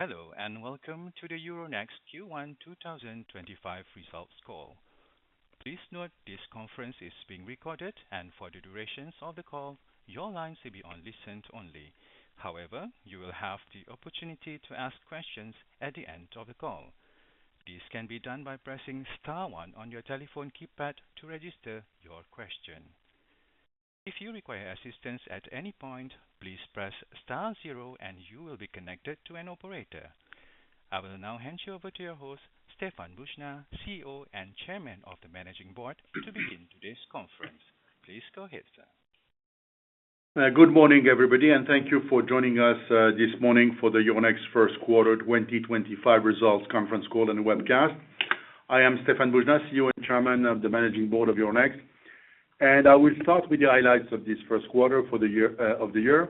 Hello, and welcome to the Euronext Q1 2025 results call. Please note this conference is being recorded, and for the duration of the call, your line should be on listen only. However, you will have the opportunity to ask questions at the end of the call. This can be done by pressing star one on your telephone keypad to register your question. If you require assistance at any point, please press star zero, and you will be connected to an operator. I will now hand you over to your host, Stéphane Boujnah, CEO and Chairman of the Managing Board, to begin today's conference. Please go ahead, sir. Good morning, everybody, and thank you for joining us this morning for the Euronext first quarter 2025 results conference call and webcast. I am Stéphane Boujnah, CEO and Chairman of the Managing Board of Euronext, and I will start with the highlights of this first quarter of the year.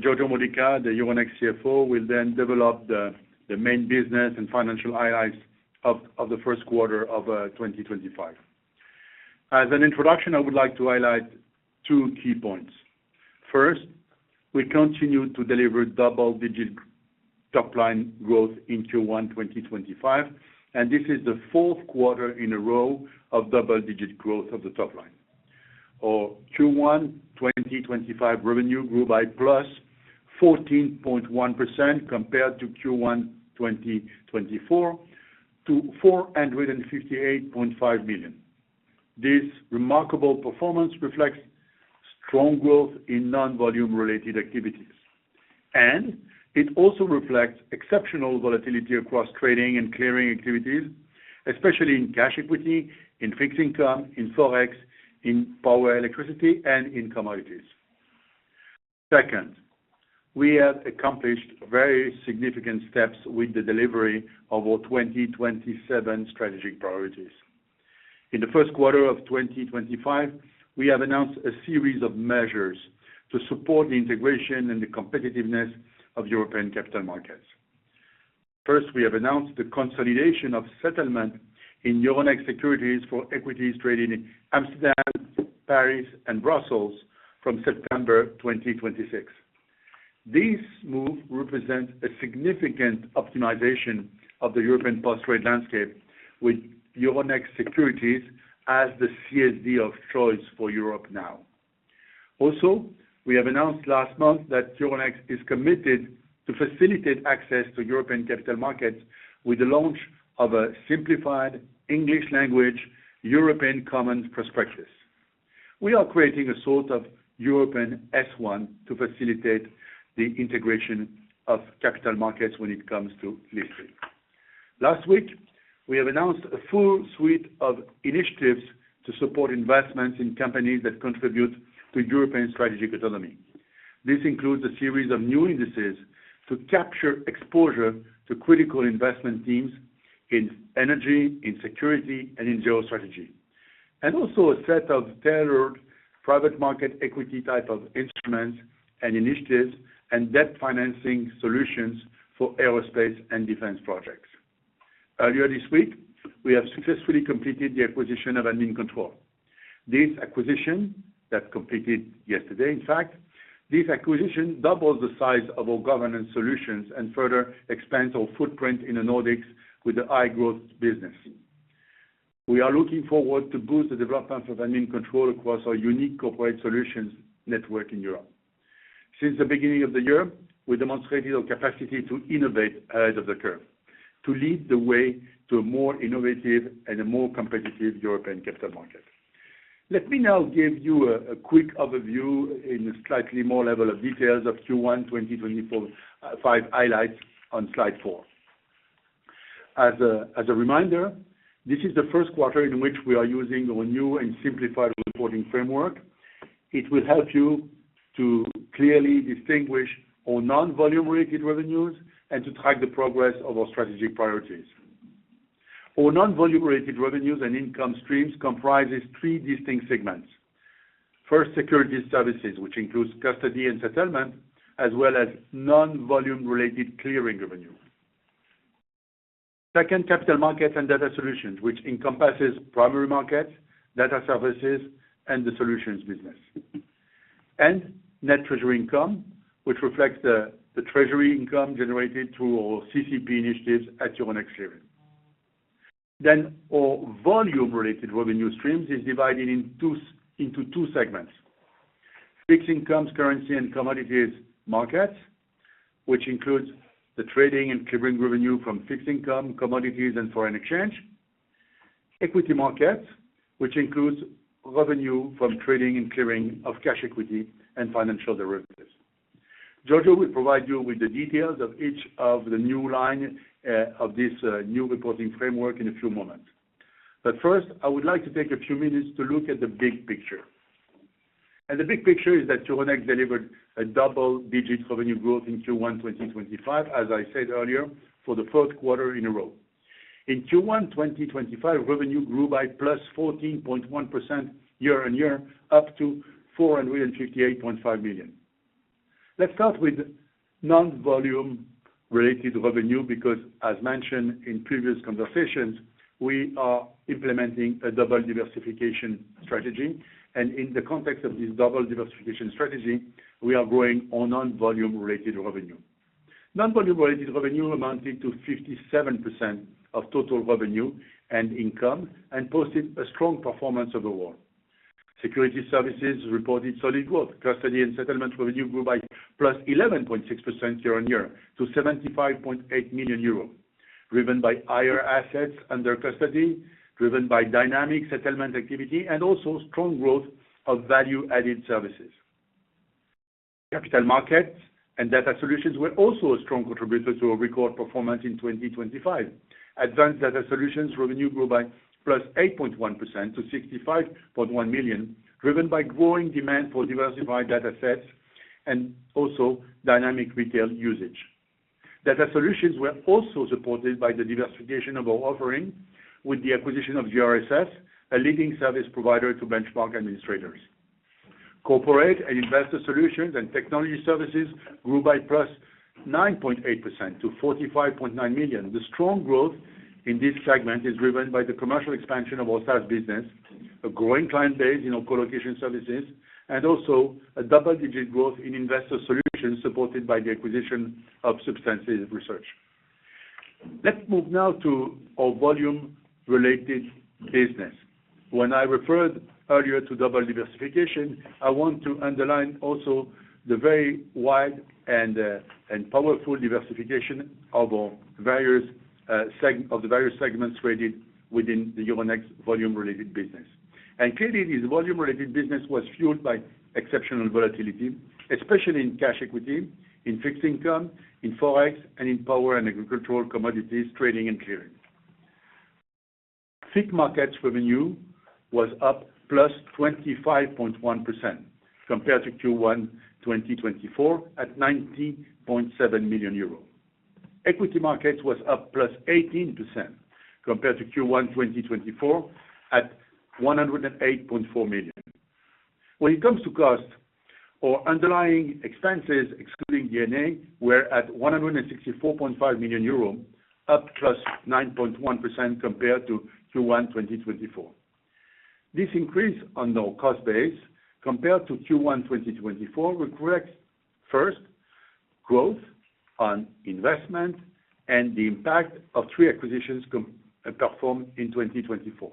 Giorgio Modica, the Euronext CFO, will then develop the main business and financial highlights of the first quarter of 2025. As an introduction, I would like to highlight two key points. First, we continue to deliver double-digit top-line growth in Q1 2025, and this is the fourth quarter in a row of double-digit growth of the top line. Q1 2025 revenue grew by +14.1% compared to Q1 2024 to 458.5 million. This remarkable performance reflects strong growth in non-volume-related activities, and it also reflects exceptional volatility across trading and clearing activities, especially in cash equity, in fixed income, in forex, in power, electricity, and in commodities. Second, we have accomplished very significant steps with the delivery of our 2027 strategic priorities. In the first quarter of 2025, we have announced a series of measures to support the integration and the competitiveness of European capital markets. First, we have announced the consolidation of settlement in Euronext Securities for equities traded in Amsterdam, Paris, and Brussels from September 2026. This move represents a significant optimization of the European post-trade landscape, with Euronext Securities as the CSD of choice for Europe now. Also, we have announced last month that Euronext is committed to facilitate access to European capital markets with the launch of a simplified English-language European Commons Prospectus. We are creating a sort of European S1 to facilitate the integration of capital markets when it comes to listing. Last week, we have announced a full suite of initiatives to support investments in companies that contribute to European strategic autonomy. This includes a series of new indices to capture exposure to critical investment themes in energy, in security, and in geostrategy, and also a set of tailored private market equity type of instruments and initiatives and debt financing solutions for aerospace and defense projects. Earlier this week, we have successfully completed the acquisition of Admincontrol. This acquisition, that completed yesterday, in fact, this acquisition doubles the size of our governance solutions and further expands our footprint in the Nordics with a high-growth business. We are looking forward to boosting the development of Admincontrol across our unique corporate solutions network in Europe. Since the beginning of the year, we demonstrated our capacity to innovate ahead of the curve, to lead the way to a more innovative and a more competitive European capital market. Let me now give you a quick overview in slightly more level of details of Q1 2025 highlights on slide four. As a reminder, this is the first quarter in which we are using our new and simplified reporting framework. It will help you to clearly distinguish our non-volume-related revenues and to track the progress of our strategic priorities. Our non-volume-related revenues and income streams comprise three distinct segments. First, security services, which includes custody and settlement, as well as non-volume-related clearing revenue. Second, capital markets and data solutions, which encompasses primary markets, data services, and the solutions business. And net treasury income, which reflects the treasury income generated through our CCP initiatives at Euronext Clearing. Our volume-related revenue streams are divided into two segments: fixed income, currency, and commodities markets, which include the trading and clearing revenue from fixed income, commodities, and foreign exchange; equity markets, which include revenue from trading and clearing of cash equity and financial derivatives. Giorgio will provide you with the details of each of the new lines of this new reporting framework in a few moments. First, I would like to take a few minutes to look at the big picture. The big picture is that Euronext delivered double-digit revenue growth in Q1 2025, as I said earlier, for the fourth quarter in a row. In Q1 2025, revenue grew by +14.1% year-on-year, up to 458.5 million. Let's start with non-volume-related revenue because, as mentioned in previous conversations, we are implementing a double diversification strategy. In the context of this double diversification strategy, we are growing our non-volume-related revenue. Non-volume-related revenue amounted to 57% of total revenue and income and posted a strong performance overall. Security services reported solid growth. Custody and settlement revenue grew by +11.6% year-on-year, to 75.8 million euro, driven by higher assets under custody, driven by dynamic settlement activity, and also strong growth of value-added services. Capital markets and data solutions were also a strong contributor to our record performance in 2025. Advanced data solutions revenue grew by +8.1% to 65.1 million, driven by growing demand for diversified data sets and also dynamic retail usage. Data solutions were also supported by the diversification of our offering with the acquisition of GRSS, a leading service provider to benchmark administrators. Corporate and investor solutions and technology services grew by +9.8% to 45.9 million. The strong growth in this segment is driven by the commercial expansion of our SaaS business, a growing client base in our colocation services, and also a double-digit growth in investor solutions supported by the acquisition of Substantive Research. Let's move now to our volume-related business. When I referred earlier to double diversification, I want to underline also the very wide and powerful diversification of the various segments traded within the Euronext volume-related business. Clearly, this volume-related business was fueled by exceptional volatility, especially in cash equity, in fixed income, in forex, and in power and agricultural commodities trading and clearing. Fixed markets revenue was up +25.1% compared to Q1 2024 at 90.7 million euros. Equity markets were up +18% compared to Q1 2024 at 108.4 million. When it comes to cost, our underlying expenses, excluding DNA, were at 164.5 million euros, up +9.1% compared to Q1 2024. This increase on our cost base compared to Q1 2024 reflects first growth on investment and the impact of three acquisitions performed in 2024.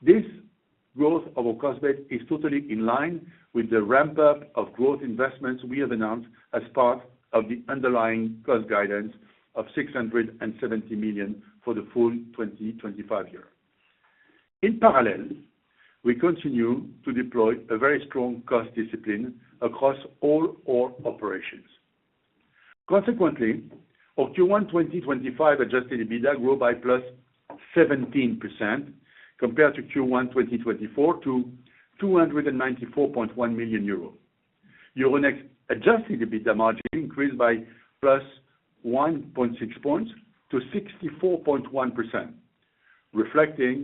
This growth of our cost base is totally in line with the ramp-up of growth investments we have announced as part of the underlying cost guidance of 670 million for the full 2025 year. In parallel, we continue to deploy a very strong cost discipline across all our operations. Consequently, our Q1 2025 Adjusted EBITDA grew by +17% compared to Q1 2024 to 294.1 million euros. Euronext Adjusted EBITDA margin increased by +1.6 percentage points to 64.1%, reflecting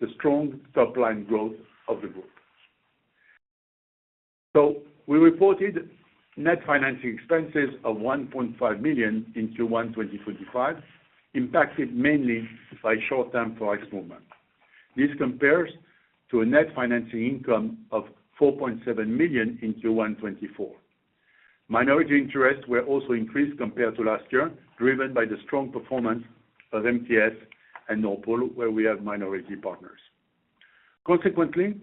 the strong top-line growth of the group. We reported net financing expenses of 1.5 million in Q1 2025, impacted mainly by short-term price movement. This compares to a net financing income of 4.7 million in Q1 2024. Minority interests were also increased compared to last year, driven by the strong performance of MTS and NORPOL, where we have minority partners. Consequently,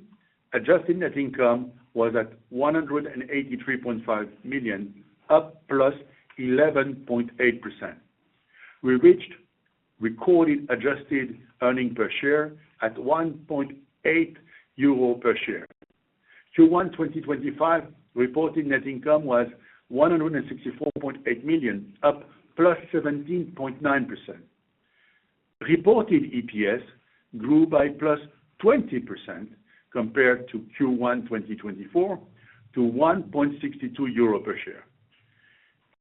adjusted net income was at 183.5 million, up +11.8%. We reached recorded adjusted earnings per share at 1.8 euro per share. Q1 2025 reported net income was 164.8 million, up +17.9%. Reported EPS grew by +20% compared to Q1 2024 to 1.62 euro per share.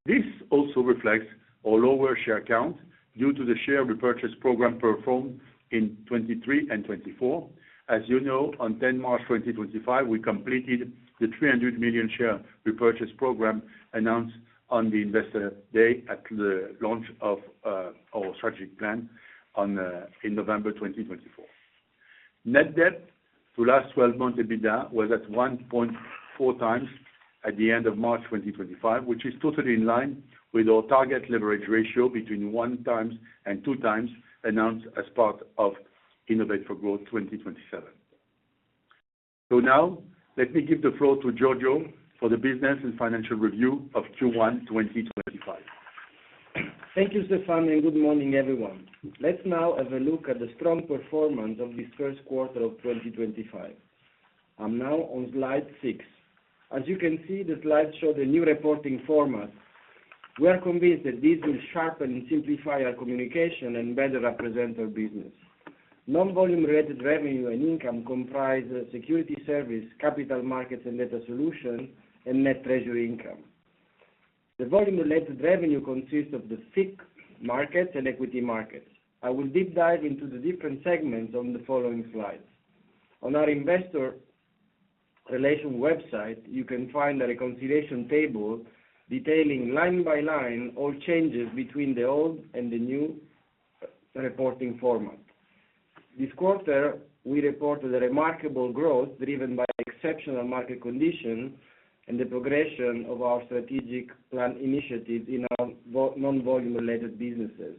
This also reflects our lower share count due to the share repurchase program performed in 2023 and 2024. As you know, on 10 March 2025, we completed the 300 million share repurchase program announced on the Investor Day at the launch of our strategic plan in November 2024. Net debt to last 12 months EBITDA was at 1.4 times at the end of March 2025, which is totally in line with our target leverage ratio between 1 times and 2 times announced as part of Innovate for Growth 2027. Now, let me give the floor to Giorgio for the business and financial review of Q1 2025. Thank you, Stéphane, and good morning, everyone. Let's now have a look at the strong performance of this first quarter of 2025. I'm now on slide six. As you can see, the slides show the new reporting format. We are convinced that this will sharpen and simplify our communication and better represent our business. Non-volume-related revenue and income comprise security service, capital markets, and data solutions, and net treasury income. The volume-related revenue consists of the fixed markets and equity markets. I will deep dive into the different segments on the following slides. On our investor relation website, you can find a reconciliation table detailing line by line all changes between the old and the new reporting format. This quarter, we reported a remarkable growth driven by exceptional market conditions and the progression of our strategic plan initiatives in our non-volume-related businesses.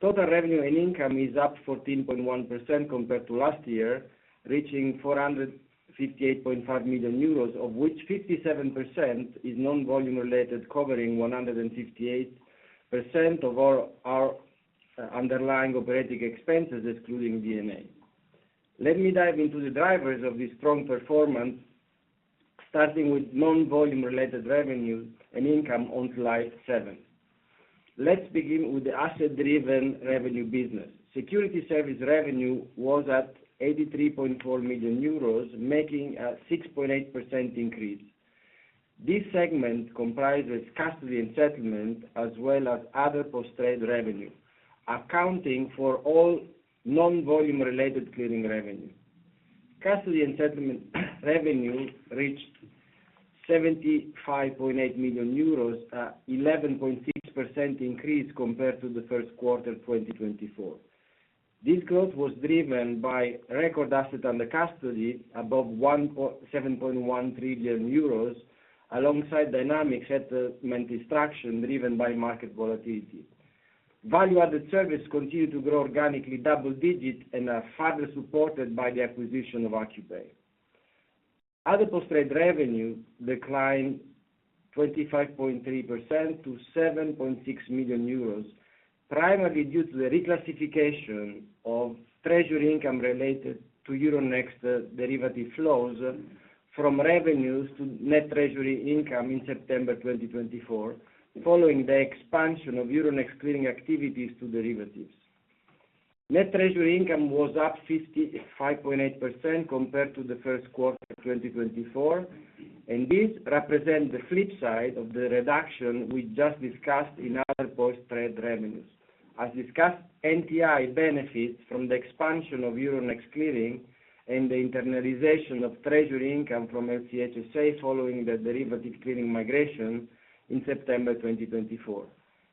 Total revenue and income is up 14.1% compared to last year, reaching 458.5 million euros, of which 57% is non-volume-related, covering 158% of our underlying operating expenses, excluding DNA. Let me dive into the drivers of this strong performance, starting with non-volume-related revenue and income on slide seven. Let's begin with the asset-driven revenue business. Security service revenue was at 83.4 million euros, making a 6.8% increase. This segment comprises custody and settlement, as well as other post-trade revenue, accounting for all non-volume-related clearing revenue. Custody and settlement revenue reached 75.8 million euros, an 11.6% increase compared to the first quarter of 2024. This growth was driven by record asset under custody above 1.71 trillion euros, alongside dynamic settlement distraction driven by market volatility. Value-added service continued to grow organically, double-digit, and are further supported by the acquisition of Occupy. Other post-trade revenue declined 25.3% to 7.6 million euros, primarily due to the reclassification of treasury income related to Euronext derivative flows from revenues to net treasury income in September 2024, following the expansion of Euronext clearing activities to derivatives. Net treasury income was up 55.8% compared to the first quarter of 2024, and this represents the flip side of the reduction we just discussed in other post-trade revenues. As discussed, NTI benefits from the expansion of Euronext clearing and the internalization of treasury income from LCH SA following the derivative clearing migration in September 2024.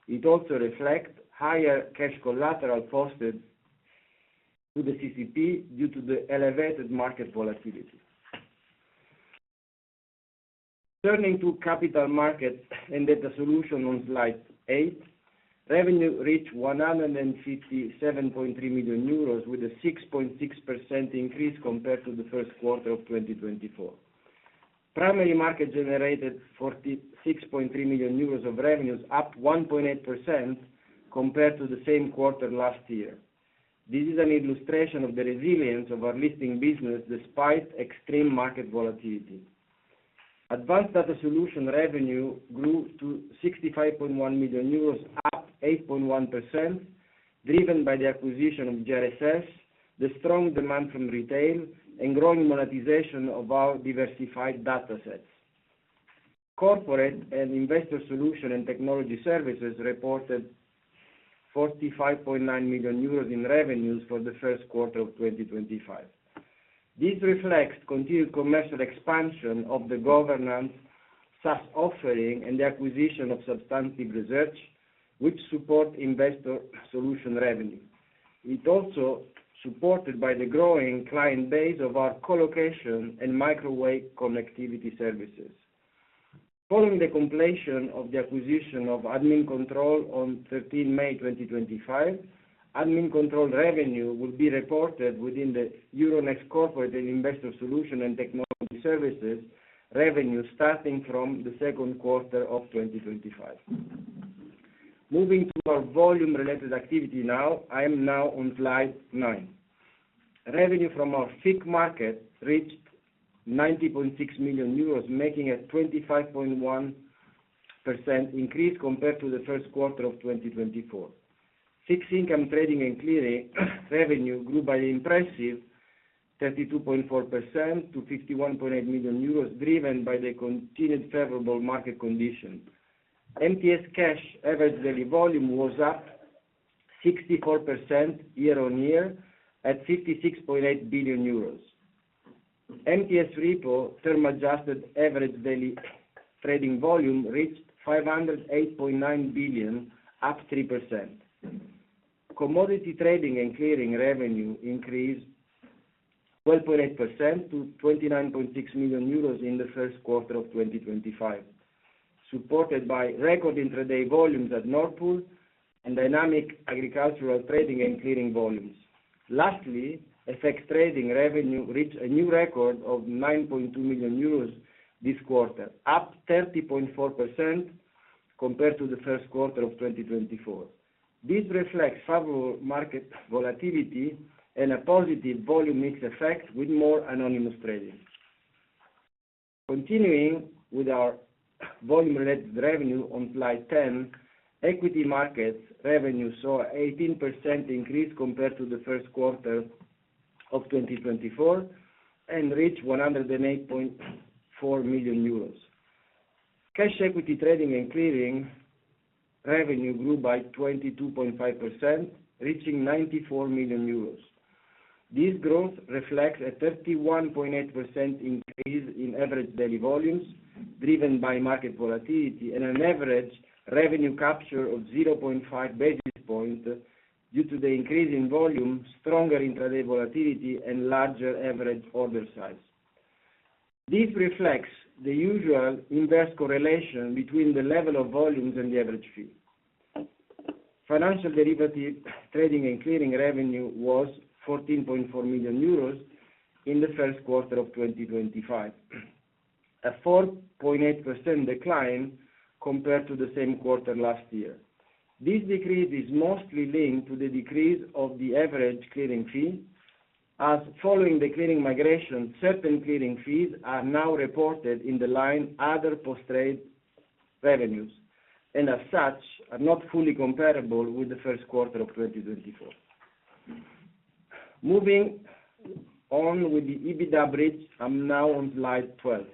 It also reflects higher cash collateral posted to the CCP due to the elevated market volatility. Turning to capital markets and data solutions on slide eight, revenue reached 157.3 million euros, with a 6.6% increase compared to the first quarter of 2024. Primary market generated 6.3 million euros of revenues, up 1.8% compared to the same quarter last year. This is an illustration of the resilience of our listing business despite extreme market volatility. Advanced data solution revenue grew to 65.1 million euros, up 8.1%, driven by the acquisition of GRSS, the strong demand from retail, and growing monetization of our diversified data sets. Corporate and investor solution and technology services reported 45.9 million euros in revenues for the first quarter of 2025. This reflects continued commercial expansion of the governance SaaS offering and the acquisition of Substantive Research, which supports investor solution revenue. It is also supported by the growing client base of our colocation and microwave connectivity services. Following the completion of the acquisition of Admincontrol on 13 May 2025, Admincontrol revenue will be reported within the Euronext Corporate and Investor Solution and Technology Services revenue starting from the second quarter of 2025. Moving to our volume-related activity now, I am now on slide nine. Revenue from our fixed income market reached 90.6 million euros, making a 25.1% increase compared to the first quarter of 2024. Fixed income trading and clearing revenue grew by an impressive 32.4% to 51.8 million euros, driven by the continued favorable market conditions. MTS Cash average daily volume was up 64% year-on-year, at 56.8 billion euros. MTS Repo term-adjusted average daily trading volume reached 508.9 billion, up 3%. Commodity trading and clearing revenue increased 12.8% to 29.6 million euros in the first quarter of 2025, supported by record intraday volumes at NORPOL and dynamic agricultural trading and clearing volumes. Lastly, FX trading revenue reached a new record of 9.2 million euros this quarter, up 30.4% compared to the first quarter of 2024. This reflects favorable market volatility and a positive volume mix effect with more anonymous trading. Continuing with our volume-related revenue on slide 10, equity markets revenue saw an 18% increase compared to the first quarter of 2024 and reached 108.4 million euros. Cash equity trading and clearing revenue grew by 22.5%, reaching 94 million euros. This growth reflects a 31.8% increase in average daily volumes, driven by market volatility and an average revenue capture of 0.5 basis points due to the increase in volume, stronger intraday volatility, and larger average order size. This reflects the usual inverse correlation between the level of volumes and the average fee. Financial derivative trading and clearing revenue was 14.4 million euros in the first quarter of 2025, a 4.8% decline compared to the same quarter last year. This decrease is mostly linked to the decrease of the average clearing fee, as following the clearing migration, certain clearing fees are now reported in the line other post-trade revenues, and as such, are not fully comparable with the first quarter of 2024. Moving on with the EBITDA bridge, I'm now on slide 12.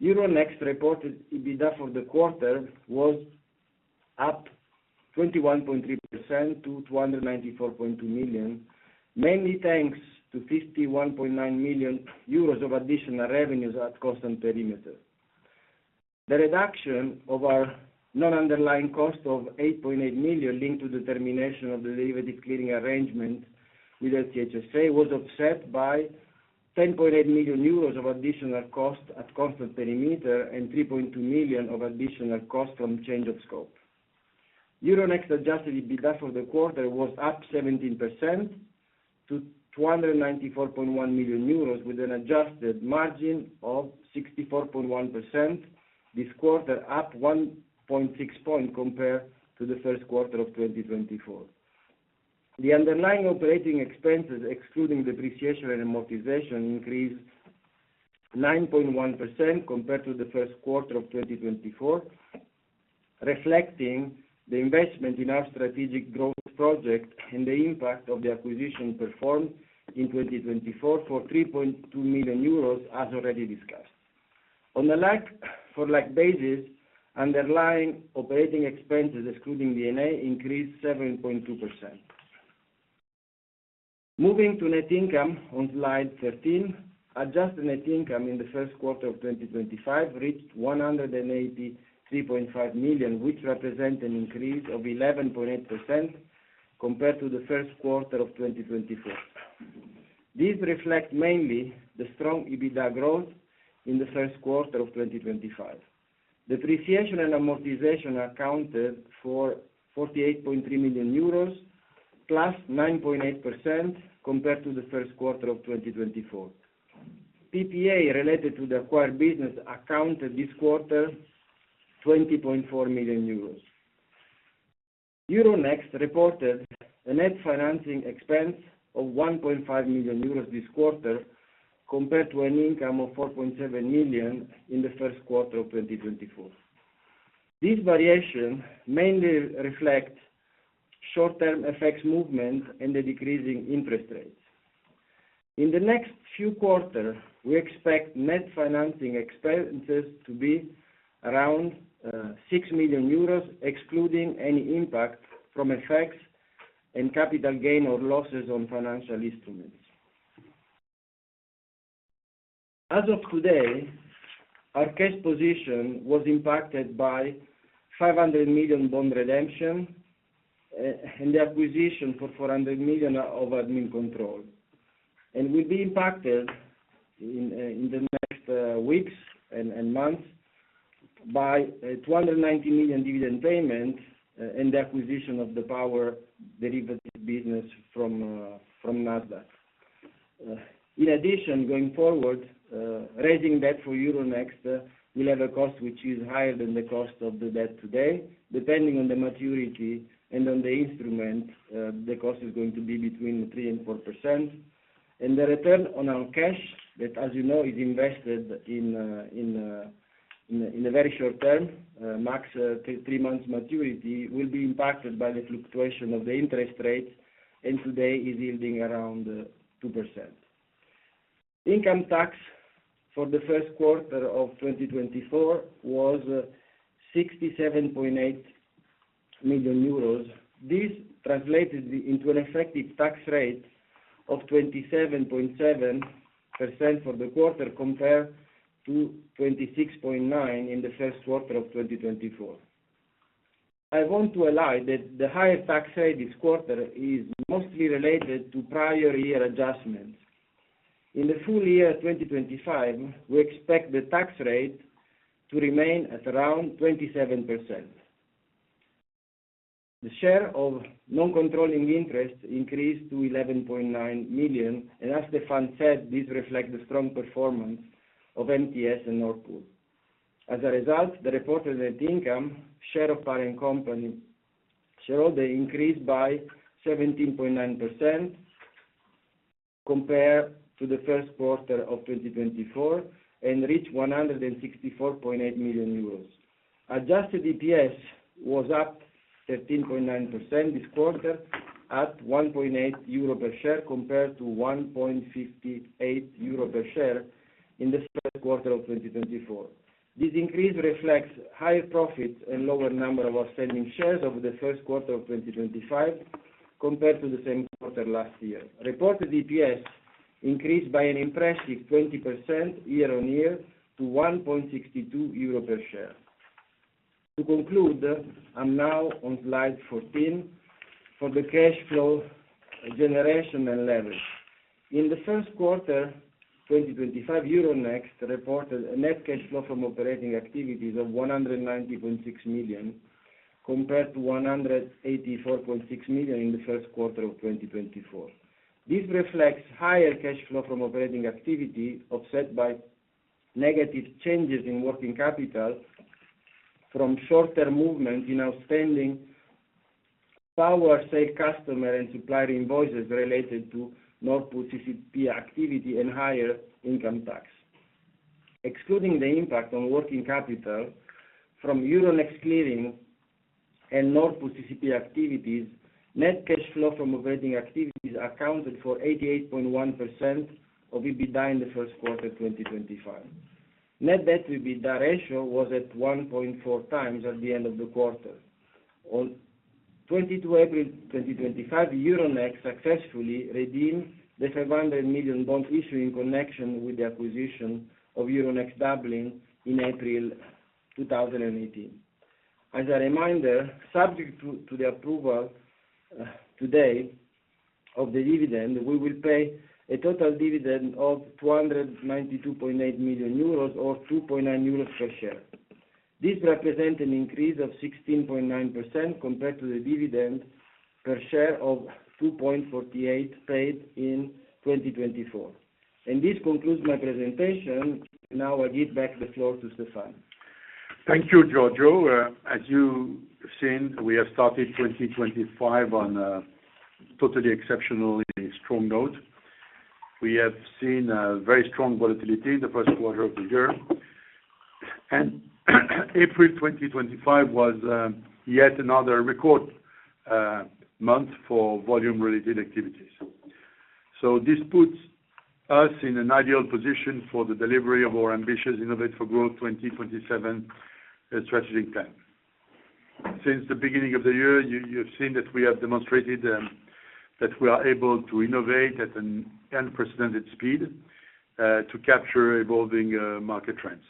Euronext reported EBITDA for the quarter was up 21.3% to 294.2 million, mainly thanks to 51.9 million euros of additional revenues at constant perimeter. The reduction of our non-underlying cost of 8.8 million linked to the termination of the derivative clearing arrangement with LCH SA was offset by 10.8 million euros of additional cost at constant perimeter and 3.2 million of additional cost from change of scope. Euronext Adjusted EBITDA for the quarter was up 17% to 294.1 million euros, with an adjusted margin of 64.1% this quarter, up 1.6 percentage points compared to the first quarter of 2024. The underlying operating expenses, excluding depreciation and amortization, increased 9.1% compared to the first quarter of 2024, reflecting the investment in our strategic growth project and the impact of the acquisition performed in 2024 for 3.2 million euros, as already discussed. On a like-for-like basis, underlying operating expenses, excluding D&A, increased 7.2%. Moving to net income on slide 13, adjusted net income in the first quarter of 2025 reached 183.5 million, which represents an increase of 11.8% compared to the first quarter of 2024. This reflects mainly the strong EBITDA growth in the first quarter of 2025. Depreciation and amortization accounted for 48.3 million euros, +9.8% compared to the first quarter of 2024. PPA related to the acquired business accounted this quarter 20.4 million euros. Euronext reported a net financing expense of 1.5 million euros this quarter compared to an income of 4.7 million in the first quarter of 2024. This variation mainly reflects short-term FX movement and the decreasing interest rates. In the next few quarters, we expect net financing expenses to be around 6 million euros, excluding any impact from FX and capital gain or losses on financial instruments. As of today, our cash position was impacted by 500 million bond redemption and the acquisition for 400 million of Admincontrol. We will be impacted in the next weeks and months by 290 million dividend payment and the acquisition of the power derivative business from Nasdaq. In addition, going forward, raising debt for Euronext will have a cost which is higher than the cost of the debt today. Depending on the maturity and on the instrument, the cost is going to be between 3-4%. The return on our cash that, as you know, is invested in a very short term, max three months maturity, will be impacted by the fluctuation of the interest rate, and today is yielding around 2%. Income tax for the first quarter of 2024 was 67.8 million euros. This translated into an effective tax rate of 27.7% for the quarter compared to 26.9% in the first quarter of 2024. I want to highlight that the higher tax rate this quarter is mostly related to prior year adjustments. In the full year 2025, we expect the tax rate to remain at around 27%. The share of non-controlling interest increased to 11.9 million, and as the fund said, this reflects the strong performance of MTS and NORPOL. As a result, the reported net income, share of parent company, shareholder increased by 17.9% compared to the first quarter of 2024 and reached 164.8 million euros. Adjusted EPS was up 13.9% this quarter at 1.8 euro per share compared to 1.58 euro per share in the first quarter of 2024. This increase reflects higher profits and lower number of outstanding shares over the first quarter of 2025 compared to the same quarter last year. Reported EPS increased by an impressive 20% year-on-year to 1.62 euro per share. To conclude, I'm now on slide 14 for the cash flow generation and leverage. In the first quarter, 2025, Euronext reported a net cash flow from operating activities of 190.6 million compared to 184.6 million in the first quarter of 2024. This reflects higher cash flow from operating activity offset by negative changes in working capital from short-term movement in outstanding power sale customer and supplier invoices related to NORPOL CCP activity and higher income tax. Excluding the impact on working capital from Euronext Clearing and NORPOL CCP activities, net cash flow from operating activities accounted for 88.1% of EBITDA in the first quarter of 2025. Net debt to EBITDA ratio was at 1.4 times at the end of the quarter. On 22 April 2025, Euronext successfully redeemed the 500 million bond issued in connection with the acquisition of Euronext Dublin in April 2018. As a reminder, subject to the approval today of the dividend, we will pay a total dividend of 292.8 million euros or 2.9 euros per share. This represents an increase of 16.9% compared to the dividend per share of 2.48 paid in 2024. This concludes my presentation. Now I give back the floor to Stéphane. Thank you, Giorgio. As you've seen, we have started 2025 on a totally exceptionally strong note. We have seen very strong volatility in the first quarter of the year, and April 2025 was yet another record month for volume-related activities. This puts us in an ideal position for the delivery of our ambitious Innovate for Growth 2027 strategic plan. Since the beginning of the year, you've seen that we have demonstrated that we are able to innovate at an unprecedented speed to capture evolving market trends.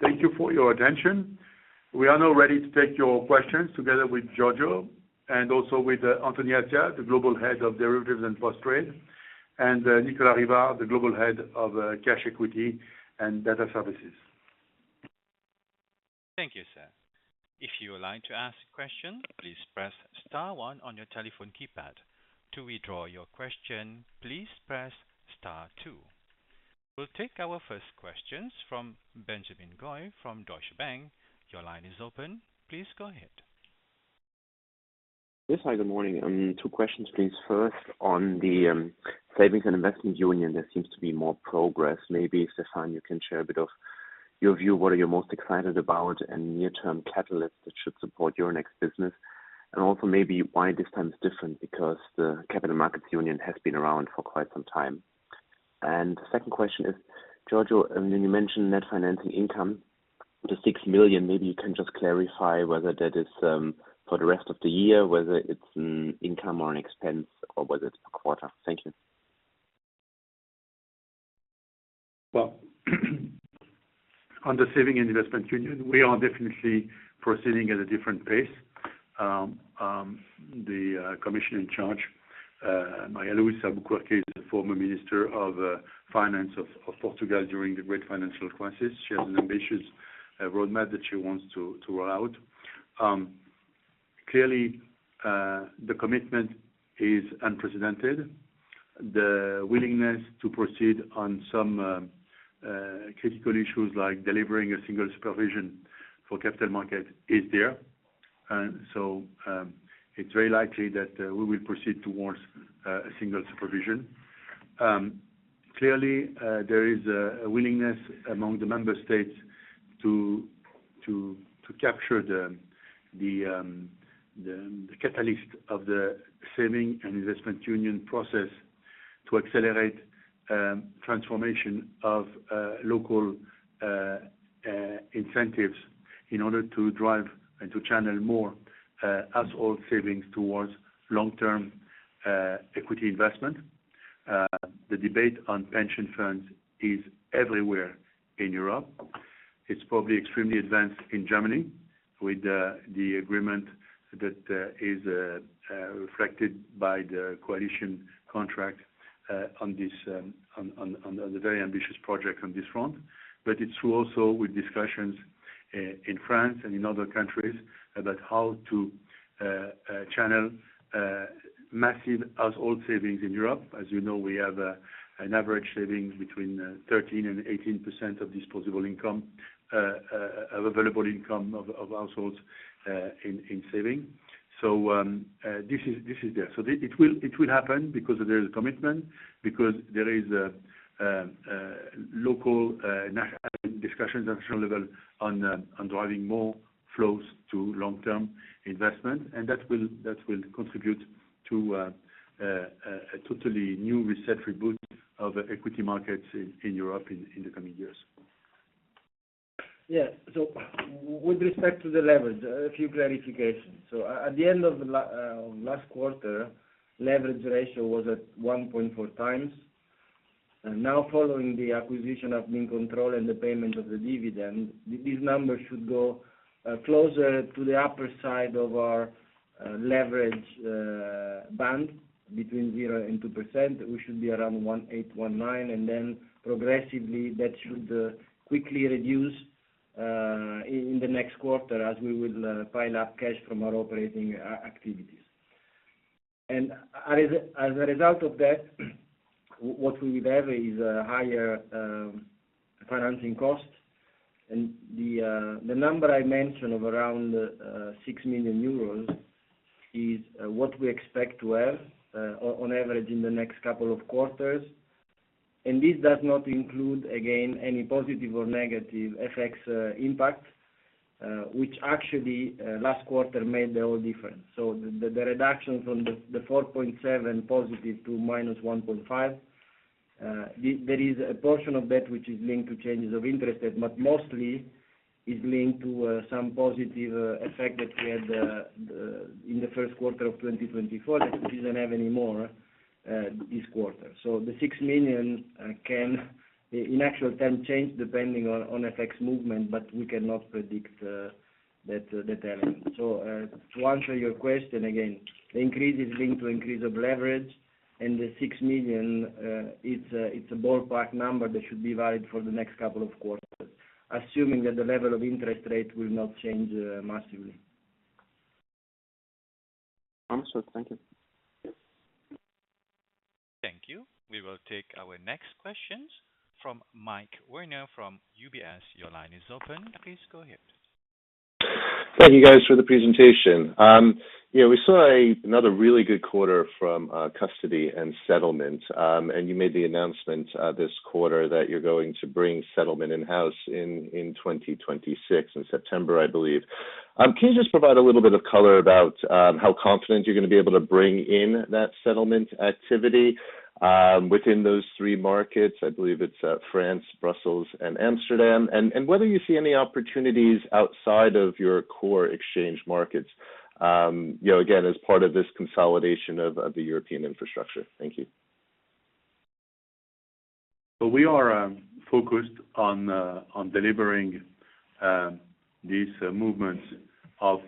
Thank you for your attention. We are now ready to take your questions together with Giorgio and also with Anthony Attia, the Global Head of Derivatives and Post-Trade, and Nicolas Rivard, the Global Head of Cash Equity and Data Services. Thank you, sir. If you would like to ask a question, please press star one on your telephone keypad. To withdraw your question, please press star two. We'll take our first questions from Benjamin Goy from Deutsche Bank. Your line is open. Please go ahead. Yes, hi, good morning. Two questions, please. First, on the savings and investment union, there seems to be more progress. Maybe, Stéphane, you can share a bit of your view, what are you most excited about and near-term catalysts that should support Euronext's business, and also maybe why this time is different because the capital markets union has been around for quite some time. The second question is, Giorgio, you mentioned net financing income to 6 million. Maybe you can just clarify whether that is for the rest of the year, whether it's an income or an expense, or whether it's per quarter. Thank you. Under saving and investment union, we are definitely proceeding at a different pace. The commission in charge, Maria Luísa Albuquerque, is the former minister of finance of Portugal during the great financial crisis. She has an ambitious roadmap that she wants to roll out. Clearly, the commitment is unprecedented. The willingness to proceed on some critical issues like delivering a single supervision for capital markets is there. It is very likely that we will proceed towards a single supervision. Clearly, there is a willingness among the member states to capture the catalyst of the saving and investment union process to accelerate transformation of local incentives in order to drive and to channel more household savings towards long-term equity investment. The debate on pension funds is everywhere in Europe. It's probably extremely advanced in Germany with the agreement that is reflected by the coalition contract on this very ambitious project on this front. It is also with discussions in France and in other countries about how to channel massive household savings in Europe. As you know, we have an average saving between 13% and 18% of disposable income of available income of households in saving. This is there. It will happen because there is a commitment, because there are local discussions at the national level on driving more flows to long-term investment, and that will contribute to a totally new reset reboot of equity markets in Europe in the coming years. Yes. With respect to the leverage, a few clarifications. At the end of last quarter, leverage ratio was at 1.4 times. Now, following the acquisition of Admincontrol and the payment of the dividend, these numbers should go closer to the upper side of our leverage band between 0% and 2%. We should be around 1.8%, 1.9%, and then progressively that should quickly reduce in the next quarter as we will pile up cash from our operating activities. As a result of that, what we would have is higher financing costs. The number I mentioned of around 6 million euros is what we expect to have on average in the next couple of quarters. This does not include, again, any positive or negative FX impact, which actually last quarter made the whole difference. The reduction from the 4.7 million positive to minus 1.5 million, there is a portion of that which is linked to changes of interest, but mostly is linked to some positive effect that we had in the first quarter of 2024 that we did not have anymore this quarter. The 6 million can, in actual terms, change depending on FX movement, but we cannot predict that element. To answer your question again, the increase is linked to increase of leverage, and the 6 million, it is a ballpark number that should be valid for the next couple of quarters, assuming that the level of interest rate will not change massively. Understood. Thank you. Thank you. We will take our next questions from Mike Werner from UBS. Your line is open. Please go ahead. Thank you, guys, for the presentation. We saw another really good quarter from Custody and Settlement, and you made the announcement this quarter that you're going to bring settlement in-house in 2026, in September, I believe. Can you just provide a little bit of color about how confident you're going to be able to bring in that settlement activity within those three markets? I believe it's France, Brussels, and Amsterdam. Whether you see any opportunities outside of your core exchange markets, again, as part of this consolidation of the European infrastructure. Thank you. We are focused on delivering these movements of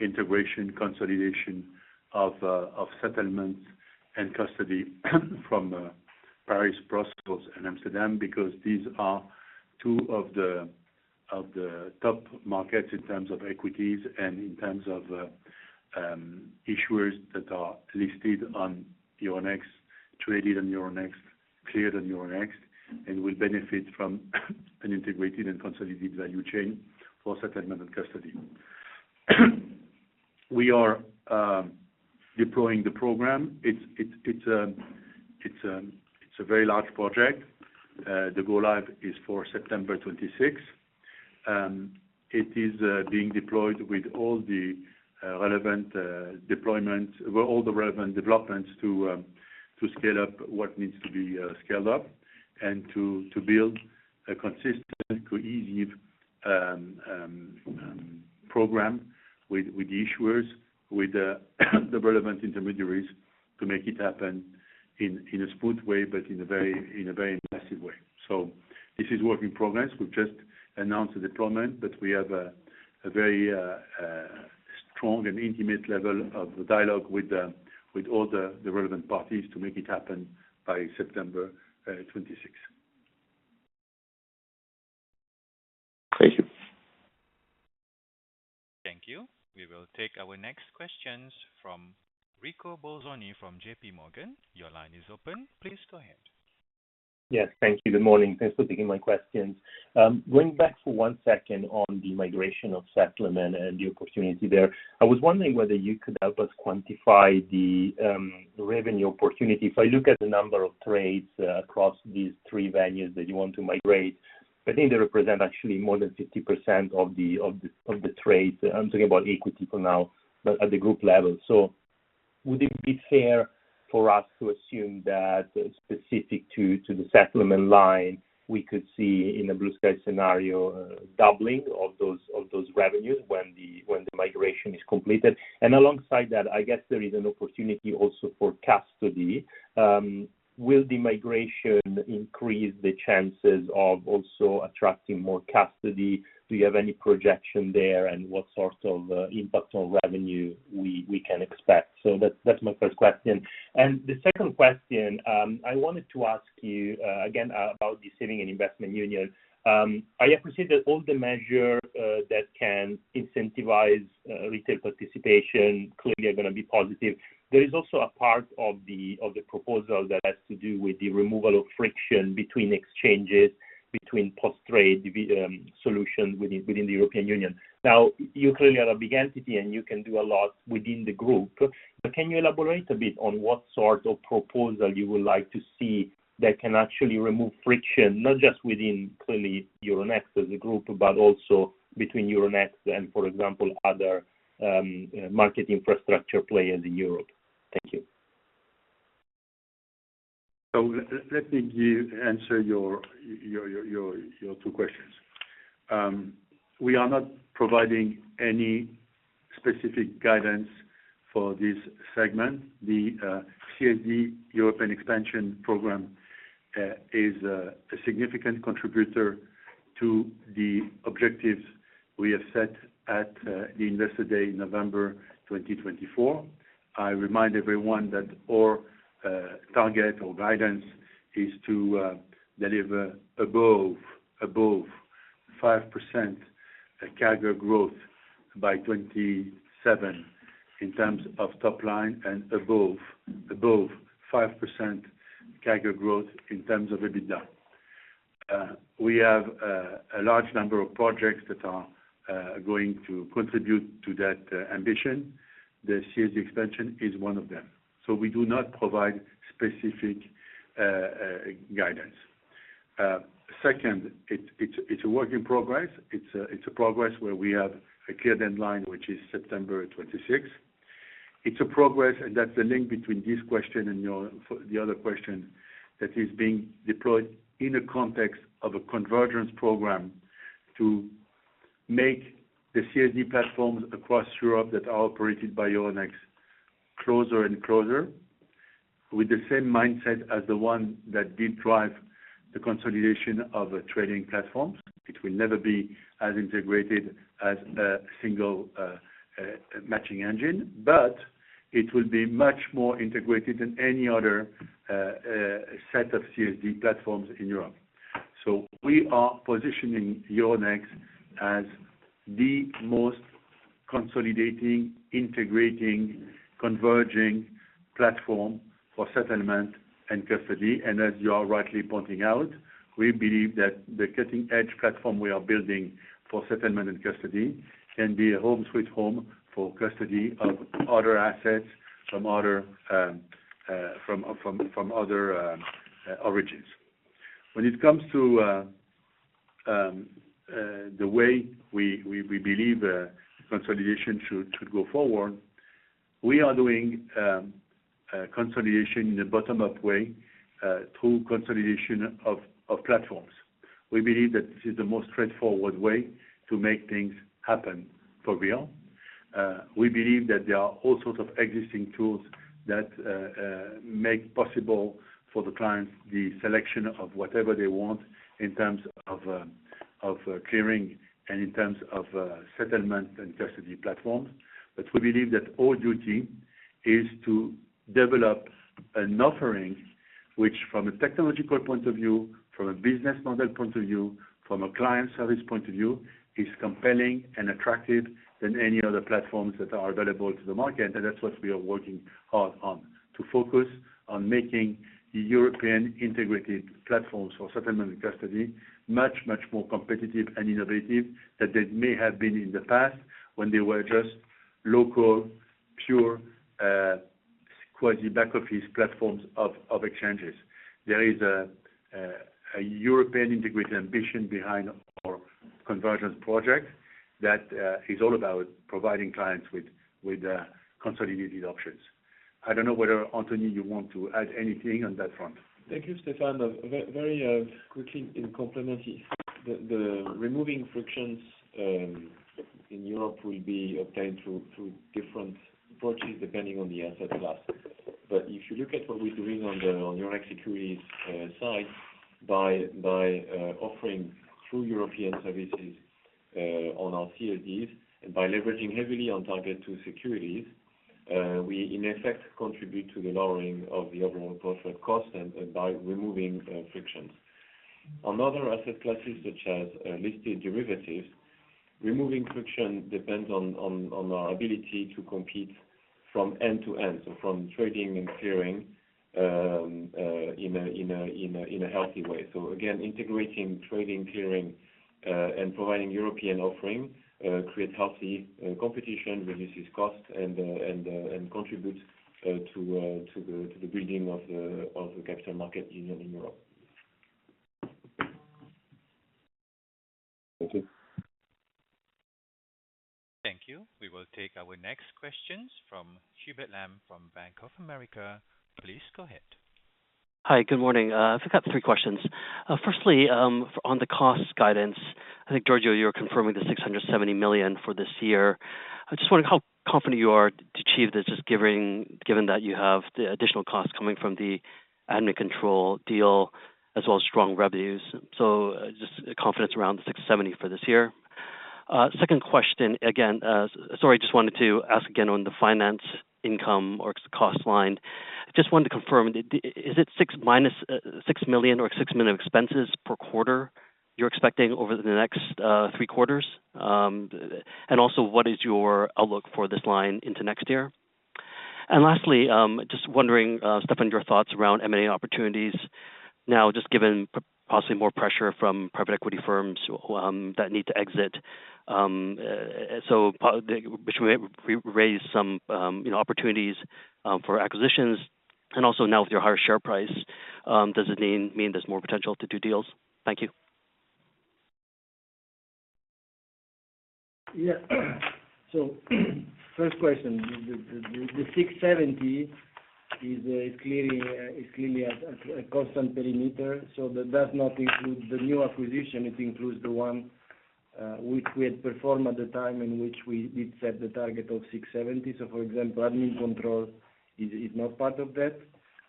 integration, consolidation of settlements and custody from Paris, Brussels, and Amsterdam because these are two of the top markets in terms of equities and in terms of issuers that are listed on Euronext, traded on Euronext, cleared on Euronext, and will benefit from an integrated and consolidated value chain for settlement and custody. We are deploying the program. It's a very large project. The go-live is for September 26. It is being deployed with all the relevant deployments, all the relevant developments to scale up what needs to be scaled up and to build a consistent, cohesive program with the issuers, with the relevant intermediaries to make it happen in a smooth way, but in a very massive way. This is work in progress. We've just announced the deployment, but we have a very strong and intimate level of dialogue with all the relevant parties to make it happen by September 26. Thank you. Thank you. We will take our next questions from Enrico Bolzoni from JPMorgan. Your line is open. Please go ahead. Yes. Thank you. Good morning. Thanks for taking my questions. Going back for one second on the migration of settlement and the opportunity there, I was wondering whether you could help us quantify the revenue opportunity. If I look at the number of trades across these three venues that you want to migrate, I think they represent actually more than 50% of the trades. I'm talking about equity for now, but at the group level. Would it be fair for us to assume that specific to the settlement line, we could see in a blue sky scenario doubling of those revenues when the migration is completed? Alongside that, I guess there is an opportunity also for custody. Will the migration increase the chances of also attracting more custody? Do you have any projection there and what sort of impact on revenue we can expect? That's my first question. The second question, I wanted to ask you again about the saving and investment union. I appreciate that all the measures that can incentivize retail participation clearly are going to be positive. There is also a part of the proposal that has to do with the removal of friction between exchanges, between post-trade solutions within the European Union. You clearly are a big entity and you can do a lot within the group, but can you elaborate a bit on what sort of proposal you would like to see that can actually remove friction, not just within clearly Euronext as a group, but also between Euronext and, for example, other market infrastructure players in Europe? Thank you. Let me answer your two questions. We are not providing any specific guidance for this segment. The CSD European Expansion Program is a significant contributor to the objectives we have set at the Investor Day in November 2024. I remind everyone that our target or guidance is to deliver above 5% CAGR growth by 2027 in terms of top line and above 5% CAGR growth in terms of EBITDA. We have a large number of projects that are going to contribute to that ambition. The CSD expansion is one of them. We do not provide specific guidance. Second, it is a work in progress. It is a progress where we have a clear deadline, which is September 2026. It's a progress, and that's the link between this question and the other question that is being deployed in a context of a convergence program to make the CSD platforms across Europe that are operated by Euronext closer and closer with the same mindset as the one that did drive the consolidation of trading platforms. It will never be as integrated as a single matching engine, but it will be much more integrated than any other set of CSD platforms in Europe. We are positioning Euronext as the most consolidating, integrating, converging platform for settlement and custody. As you are rightly pointing out, we believe that the cutting-edge platform we are building for settlement and custody can be a home sweet home for custody of other assets from other origins. When it comes to the way we believe consolidation should go forward, we are doing consolidation in a bottom-up way through consolidation of platforms. We believe that this is the most straightforward way to make things happen for real. We believe that there are all sorts of existing tools that make possible for the clients the selection of whatever they want in terms of clearing and in terms of settlement and custody platforms. We believe that our duty is to develop an offering which, from a technological point of view, from a business model point of view, from a client service point of view, is more compelling and attractive than any other platforms that are available to the market. That is what we are working hard on, to focus on making European integrated platforms for settlement and custody much, much more competitive and innovative than they may have been in the past when they were just local, pure, quasi-back office platforms of exchanges. There is a European integrated ambition behind our convergence project that is all about providing clients with consolidated options. I do not know whether, Anthony, you want to add anything on that front. Thank you, Stéphane. Very quickly in complement, the removing frictions in Europe will be obtained through different approaches depending on the asset class. If you look at what we are doing on Euronext Securities side by offering true European services on our CSDs and by leveraging heavily on Target II securities, we, in effect, contribute to the lowering of the overall portfolio cost by removing frictions. On other asset classes such as listed derivatives, removing friction depends on our ability to compete from end to end, from trading and clearing in a healthy way. Integrating trading, clearing, and providing European offering creates healthy competition, reduces costs, and contributes to the building of the capital market union in Europe. Thank you. Thank you. We will take our next questions from Hubert Lam from Bank of America. Please go ahead. Hi. Good morning. I've got three questions. Firstly, on the cost guidance, I think, Giorgio, you were confirming the 670 million for this year. I just want to know how confident you are to achieve this just given that you have the additional costs coming from the Admincontrol deal as well as strong revenues. Confidence around 670 million for this year. Second question, again, sorry, just wanted to ask again on the finance income or cost line. Just wanted to confirm, is it 6 million or 6 million of expenses per quarter you're expecting over the next three quarters? Also, what is your outlook for this line into next year? Lastly, just wondering, Stéphane, your thoughts around M&A opportunities now, just given possibly more pressure from private equity firms that need to exit, which may raise some opportunities for acquisitions. Also, now with your higher share price, does it mean there's more potential to do deals? Thank you. Yeah. First question, the 670 million is clearly a constant perimeter. That does not include the new acquisition. It includes the one which we had performed at the time in which we did set the target of 670 million. For example, Admincontrol is not part of that.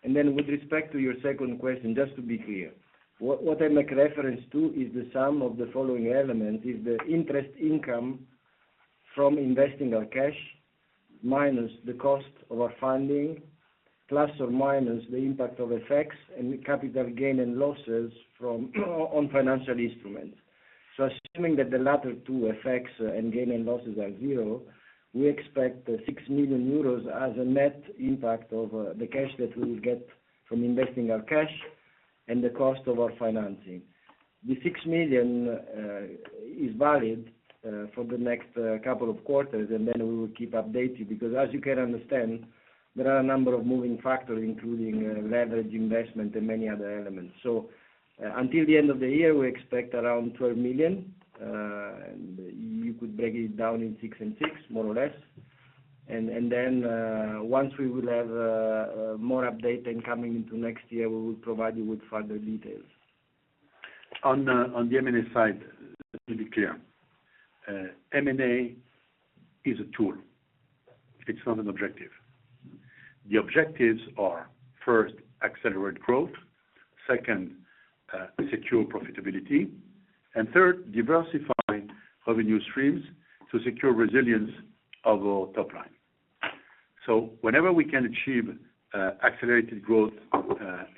With respect to your second question, just to be clear, what I make reference to is the sum of the following elements: the interest income from investing our cash minus the cost of our funding, plus or minus the impact of FX and capital gain and losses on financial instruments. Assuming that the latter two, FX and gain and losses, are zero, we expect 6 million euros as a net impact of the cash that we will get from investing our cash and the cost of our financing. The 6 million is valid for the next couple of quarters, and we will keep updating because, as you can understand, there are a number of moving factors, including leverage investment and many other elements. Until the end of the year, we expect around 12 million. You could break it down in six and six, more or less. Once we will have more updates coming into next year, we will provide you with further details. On the M&A side, to be clear, M&A is a tool if it's not an objective. The objectives are, first, accelerate growth; second, secure profitability; and third, diversify revenue streams to secure resilience of our top line. Whenever we can achieve accelerated growth,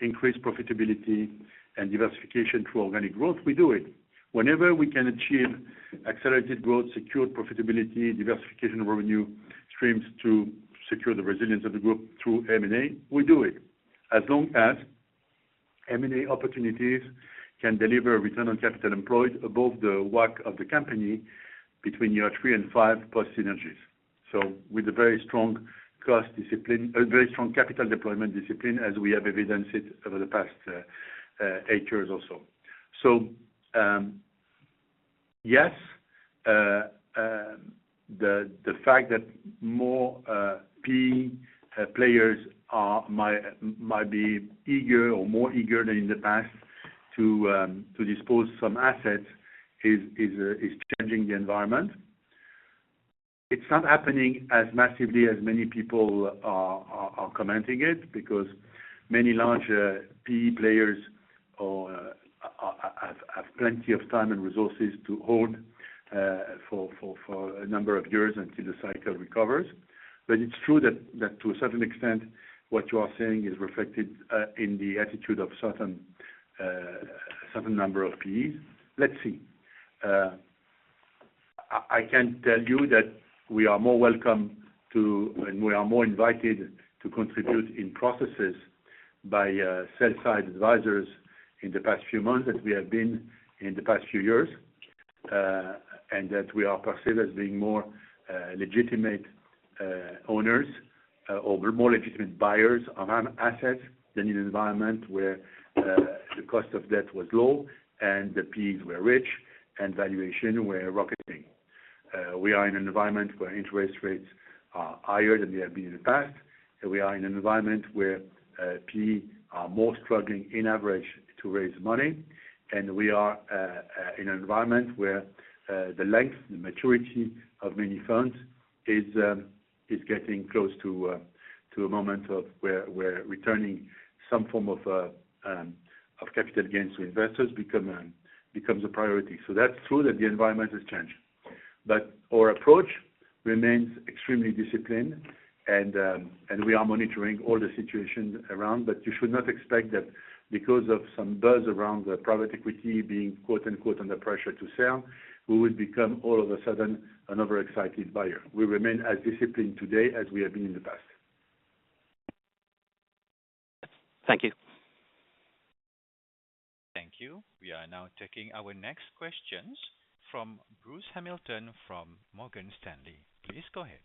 increased profitability, and diversification through organic growth, we do it. Whenever we can achieve accelerated growth, secured profitability, diversification of revenue streams to secure the resilience of the group through M&A, we do it as long as M&A opportunities can deliver return on capital employed above the WACC of the company between year three and five post-synergies. With a very strong cost discipline, a very strong capital deployment discipline, as we have evidenced it over the past eight years or so. Yes, the fact that more key players might be eager or more eager than in the past to dispose of some assets is changing the environment. It's not happening as massively as many people are commenting on it because many larger key players have plenty of time and resources to hold for a number of years until the cycle recovers. It's true that, to a certain extent, what you are saying is reflected in the attitude of a certain number of PEs. Let's see. I can tell you that we are more welcome to, and we are more invited to contribute in processes by sell-side advisors in the past few months than we have been in the past few years, and that we are perceived as being more legitimate owners or more legitimate buyers of assets than in an environment where the cost of debt was low and the PEs were rich and valuations were rocketing. We are in an environment where interest rates are higher than they have been in the past, and we are in an environment where PEs are more struggling, in average, to raise money. We are in an environment where the length, the maturity of many funds is getting close to a moment where returning some form of capital gains to investors becomes a priority. That's true that the environment has changed. Our approach remains extremely disciplined, and we are monitoring all the situations around. You should not expect that because of some buzz around the private equity being "under pressure to sell," we would become all of a sudden an overexcited buyer. We remain as disciplined today as we have been in the past. Thank you. Thank you. We are now taking our next questions from Bruce Hamilton from Morgan Stanley. Please go ahead.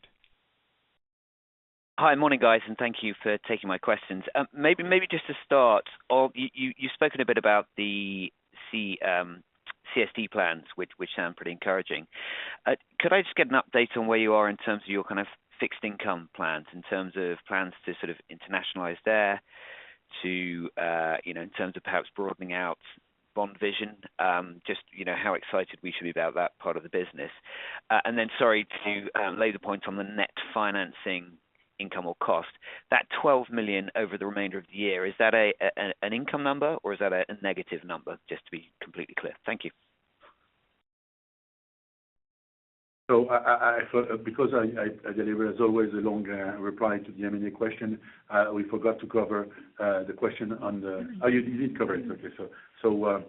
Hi. Morning, guys, and thank you for taking my questions. Maybe just to start, you've spoken a bit about the CSD plans, which sound pretty encouraging. Could I just get an update on where you are in terms of your kind of fixed income plans, in terms of plans to sort of internationalize there, in terms of perhaps broadening out Bond Vision, just how excited we should be about that part of the business? And then, sorry, to lay the point on the net financing income or cost, that 12 million over the remainder of the year, is that an income number, or is that a negative number, just to be completely clear? Thank you. Because I deliver, as always, a long reply to the M&A question, we forgot to cover the question on the—oh, you did cover it. Okay.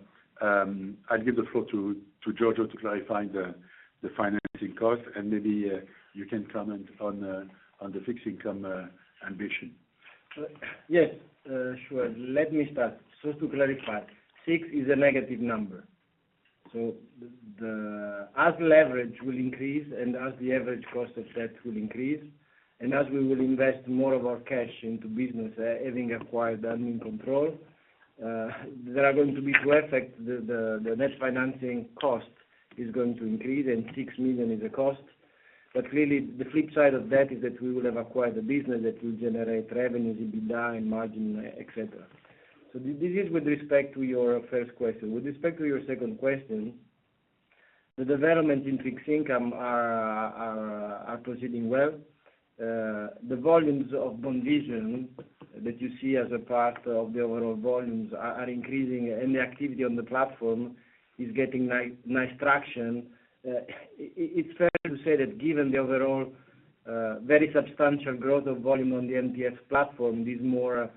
I'll give the floor to Giorgio to clarify the financing cost, and maybe you can comment on the fixed income ambition. Yes. Sure. Let me start. To clarify, 6 is a negative number. As leverage will increase and as the average cost of debt will increase, and as we will invest more of our cash into business, having acquired Admincontrol, there are going to be two effects: the net financing cost is going to increase, and 6 million is a cost. Really, the flip side of that is that we will have acquired a business that will generate revenues, EBITDA, and margin, etc. This is with respect to your first question. With respect to your second question, the developments in fixed income are proceeding well. The volumes of Bond Vision that you see as a part of the overall volumes are increasing, and the activity on the platform is getting nice traction. It is fair to say that, given the overall very substantial growth of volume on the MTF platform, these more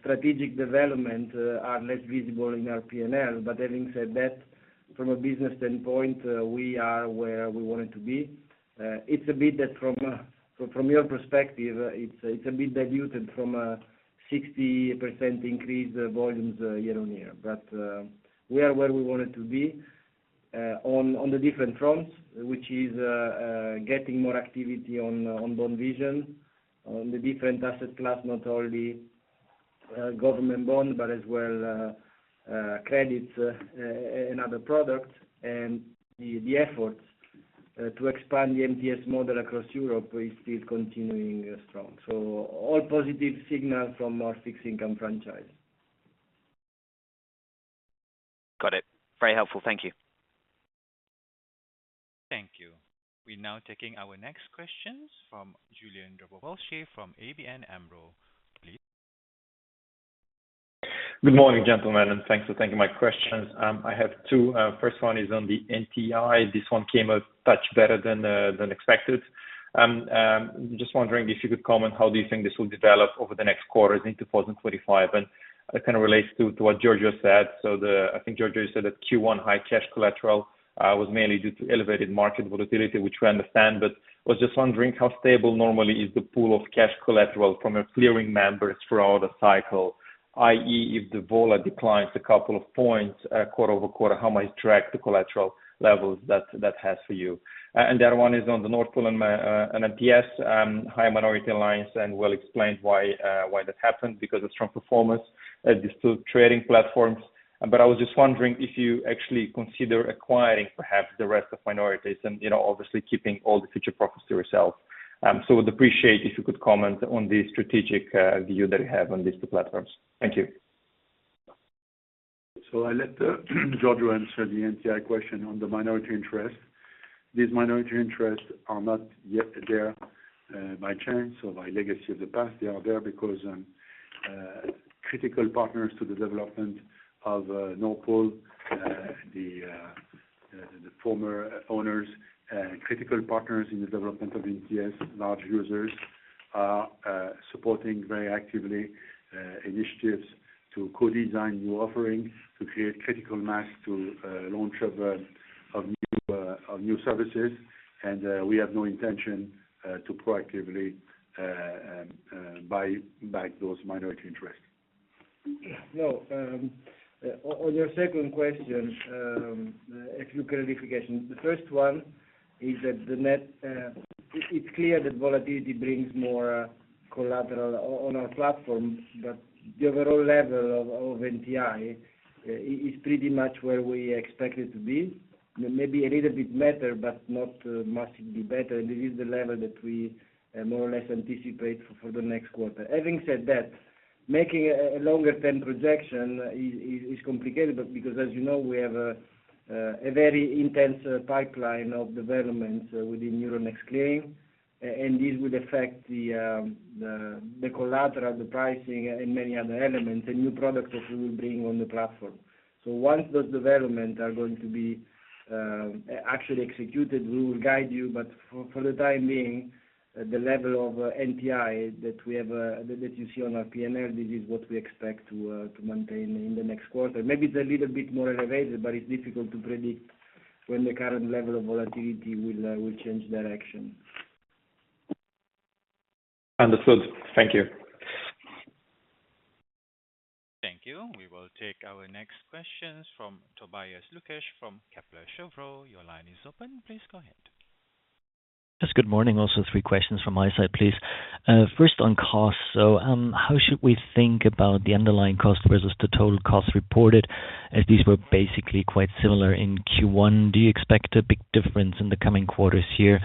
strategic developments are less visible in our P&L. Having said that, from a business standpoint, we are where we wanted to be. It's a bit that, from your perspective, it's a bit diluted from a 60% increase in volumes year-on-year. We are where we wanted to be on the different fronts, which is getting more activity on Bond Vision, on the different asset class, not only government bonds but as well credits and other products. The efforts to expand the MTF model across Europe are still continuing strong. All positive signals from our fixed income franchise. Got it. Very helpful. Thank you. Thank you. We're now taking our next questions from Iulian Dobrovolschi from ABN AMRO. Please. Good morning, gentlemen, and thanks for taking my questions. I have two. First one is on the NTI. This one came out much better than expected. Just wondering if you could comment on how do you think this will develop over the next quarters into 2025. That kind of relates to what Giorgio said. I think Giorgio said that Q1 high cash collateral was mainly due to elevated market volatility, which we understand. I was just wondering how stable normally is the pool of cash collateral from your clearing members throughout a cycle, i.e., if the volatility declines a couple of points quarter over quarter, how might it track the collateral levels that has for you? The other one is on the NORPOL and MTFs, higher minority lines, and well explained why that happened because of strong performance at these two trading platforms. I was just wondering if you actually consider acquiring perhaps the rest of minorities and obviously keeping all the future profits to yourself. We'd appreciate if you could comment on the strategic view that you have on these two platforms. Thank you. I let Giorgio answer the NTI question on the minority interest. These minority interests are not yet there by chance or by legacy of the past. They are there because critical partners to the development of NORPOL, the former owners, critical partners in the development of MTFs, large users, are supporting very actively initiatives to co-design new offerings, to create critical mass, to launch new services. We have no intention to proactively buy back those minority interests. No. On your second question, a few clarifications. The first one is that it's clear that volatility brings more collateral on our platform, but the overall level of NTI is pretty much where we expect it to be. Maybe a little bit better, but not massively better. This is the level that we more or less anticipate for the next quarter. Having said that, making a longer-term projection is complicated because, as you know, we have a very intense pipeline of developments within Euronext Clearing, and this will affect the collateral, the pricing, and many other elements and new products that we will bring on the platform. Once those developments are going to be actually executed, we will guide you. For the time being, the level of NTI that you see on our P&L, this is what we expect to maintain in the next quarter. Maybe it's a little bit more elevated, but it's difficult to predict when the current level of volatility will change direction. Understood. Thank you. Thank you. We will take our next questions from Tobias Lukesch from Kepler Cheuvreux. Your line is open. Please go ahead. Yes. Good morning. Also, three questions from my side, please. First, on costs. How should we think about the underlying cost versus the total cost reported as these were basically quite similar in Q1? Do you expect a big difference in the coming quarters here?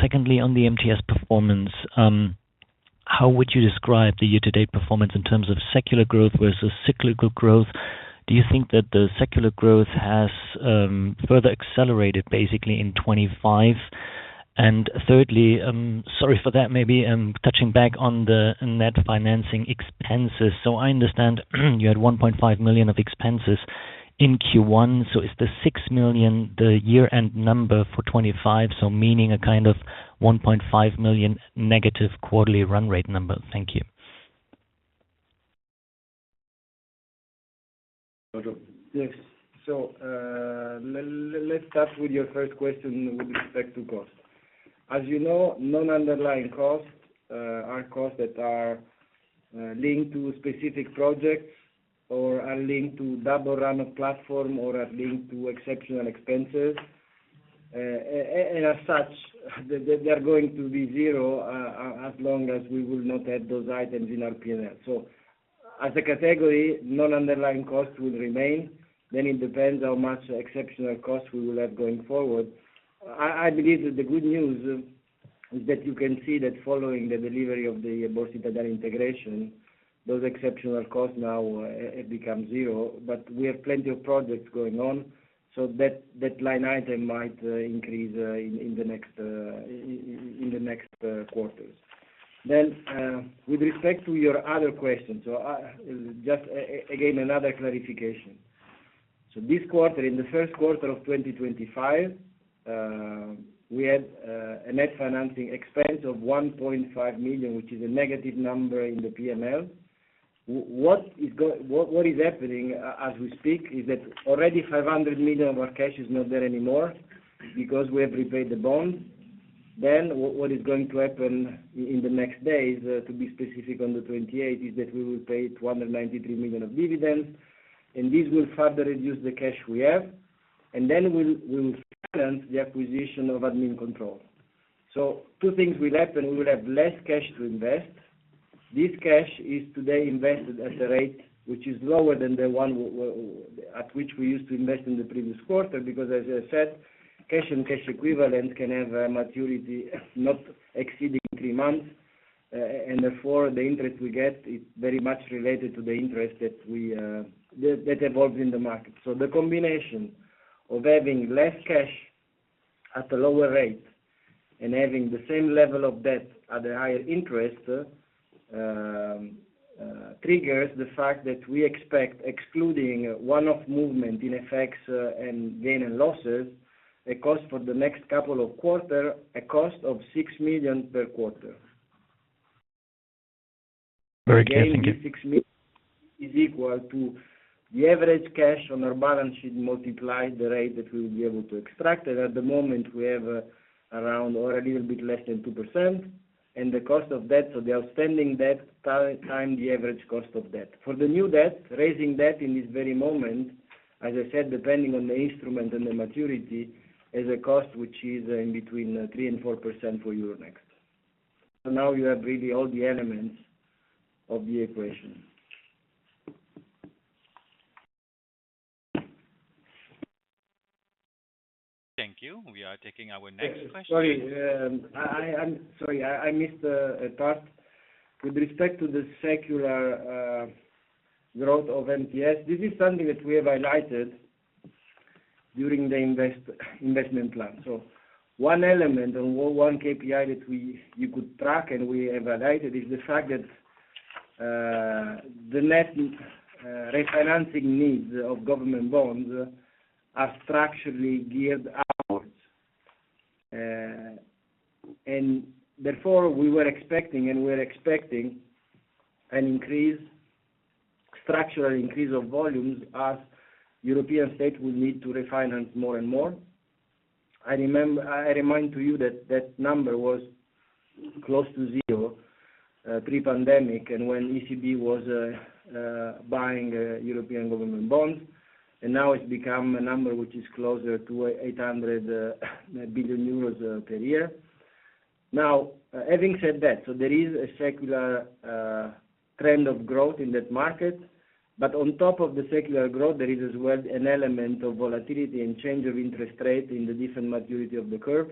Secondly, on the MTS performance, how would you describe the year-to-date performance in terms of secular growth versus cyclical growth? Do you think that the secular growth has further accelerated basically in 2025? And thirdly, sorry for that, maybe touching back on the net financing expenses. I understand you had 1.5 million of expenses in Q1. Is the 6 million the year-end number for 2025? Meaning a kind of 1.5 million negative quarterly run rate number. Thank you. Yes. Let's start with your first question with respect to cost. As you know, non-underlying costs are costs that are linked to specific projects or are linked to double run of platform or are linked to exceptional expenses. As such, they are going to be zero as long as we will not add those items in our P&L. As a category, non-underlying costs will remain. It depends on how much exceptional costs we will have going forward. I believe that the good news is that you can see that following the delivery of the Borsa Italiana integration, those exceptional costs now become zero. We have plenty of projects going on, so that line item might increase in the next quarters. With respect to your other question, just again, another clarification. This quarter, in the first quarter of 2025, we had a net financing expense of 1.5 million, which is a negative number in the P&L. What is happening as we speak is that already 500 million of our cash is not there anymore because we have repaid the bonds. What is going to happen in the next days, to be specific on the 28th, is that we will pay 293 million of dividends, and this will further reduce the cash we have. We will finance the acquisition of Admincontrol. Two things will happen. We will have less cash to invest. This cash is today invested at a rate which is lower than the one at which we used to invest in the previous quarter because, as I said, cash and cash equivalent can have a maturity not exceeding three months. Therefore, the interest we get is very much related to the interest that evolves in the market. The combination of having less cash at a lower rate and having the same level of debt at a higher interest triggers the fact that we expect, excluding one-off movement in effects and gain and losses, a cost for the next couple of quarters, a cost of 6 million per quarter. Very interesting. Gaining 6 million is equal to the average cash on our balance sheet multiplied by the rate that we will be able to extract. At the moment, we have around or a little bit less than 2%. The cost of debt, so the outstanding debt times the average cost of debt. For the new debt, raising debt in this very moment, as I said, depending on the instrument and the maturity, is a cost which is in between 3-4% for Euronext. Now you have really all the elements of the equation. Thank you. We are taking our next question. Sorry. I missed a part. With respect to the secular growth of MTS, this is something that we have highlighted during the investment plan. One element or one KPI that you could track and we evaluated is the fact that the net refinancing needs of government bonds are structurally geared outwards. Therefore, we were expecting and we are expecting an increase, structural increase of volumes as European states will need to refinance more and more. I remind you that that number was close to zero pre-pandemic and when ECB was buying European government bonds. Now it has become a number which is closer to 800 billion euros per year. Now, having said that, there is a secular trend of growth in that market. On top of the secular growth, there is as well an element of volatility and change of interest rate in the different maturity of the curve.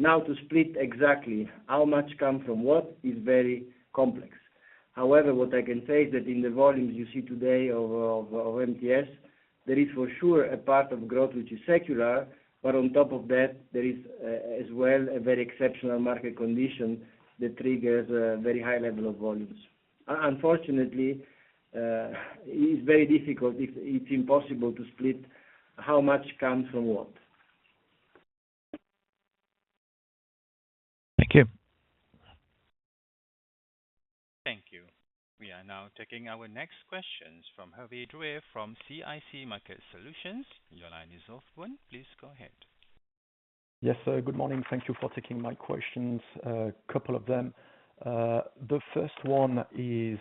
To split exactly how much comes from what is very complex. However, what I can say is that in the volumes you see today of MTS, there is for sure a part of growth which is secular, but on top of that, there is as well a very exceptional market condition that triggers a very high level of volumes. Unfortunately, it is very difficult. It is impossible to split how much comes from what. Thank you. Thank you. We are now taking our next questions from Javier Druvet from CIC Market Solutions. Your line is open. Please go ahead. Yes. Good morning. Thank you for taking my questions. A couple of them. The first one is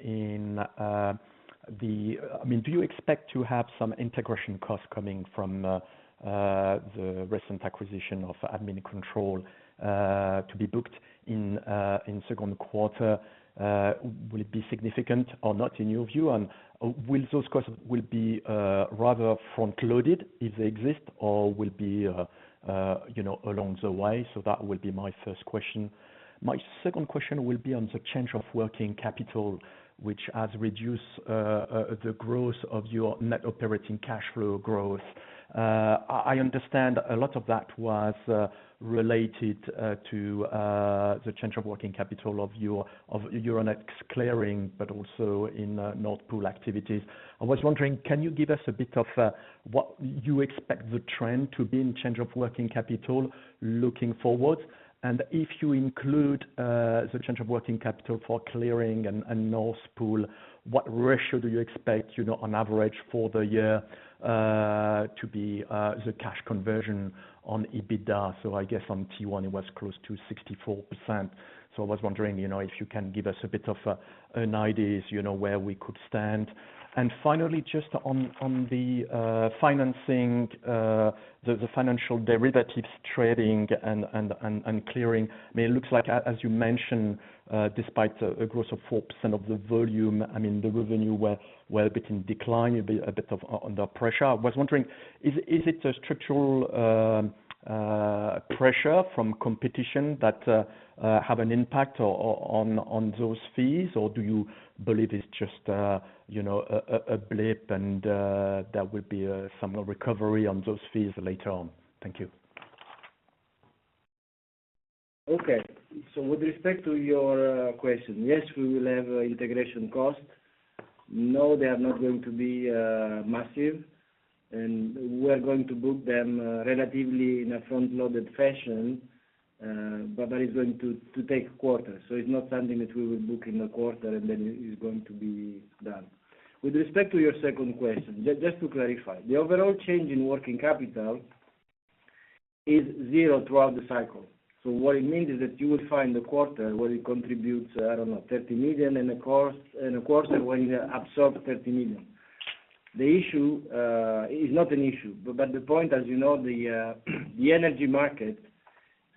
in the, I mean, do you expect to have some integration costs coming from the recent acquisition of Admincontrol to be booked in second quarter? Will it be significant or not in your view? And will those costs be rather front-loaded if they exist or will be along the way? That will be my first question. My second question will be on the change of working capital, which has reduced the growth of your net operating cash flow growth. I understand a lot of that was related to the change of working capital of Euronext Clearing, but also in Nordics activities. I was wondering, can you give us a bit of what you expect the trend to be in change of working capital looking forward? If you include the change of working capital for Clearing and NORPOL, what ratio do you expect on average for the year to be the cash conversion on EBITDA? I guess on Q1, it was close to 64%. I was wondering if you can give us a bit of an idea where we could stand. Finally, just on the financing, the financial derivatives trading and Clearing, I mean, it looks like, as you mentioned, despite a growth of 4% of the volume, the revenue were a bit in decline, a bit under pressure. I was wondering, is it a structural pressure from competition that have an impact on those fees, or do you believe it's just a blip and there will be some recovery on those fees later on? Thank you. Okay. With respect to your question, yes, we will have integration costs. No, they are not going to be massive. We are going to book them relatively in a front-loaded fashion, but that is going to take quarters. It is not something that we will book in a quarter and then it is going to be done. With respect to your second question, just to clarify, the overall change in working capital is zero throughout the cycle. What it means is that you will find a quarter where it contributes, I do not know, 30 million in a quarter when you absorb 30 million. The issue is not an issue, but the point, as you know, the energy market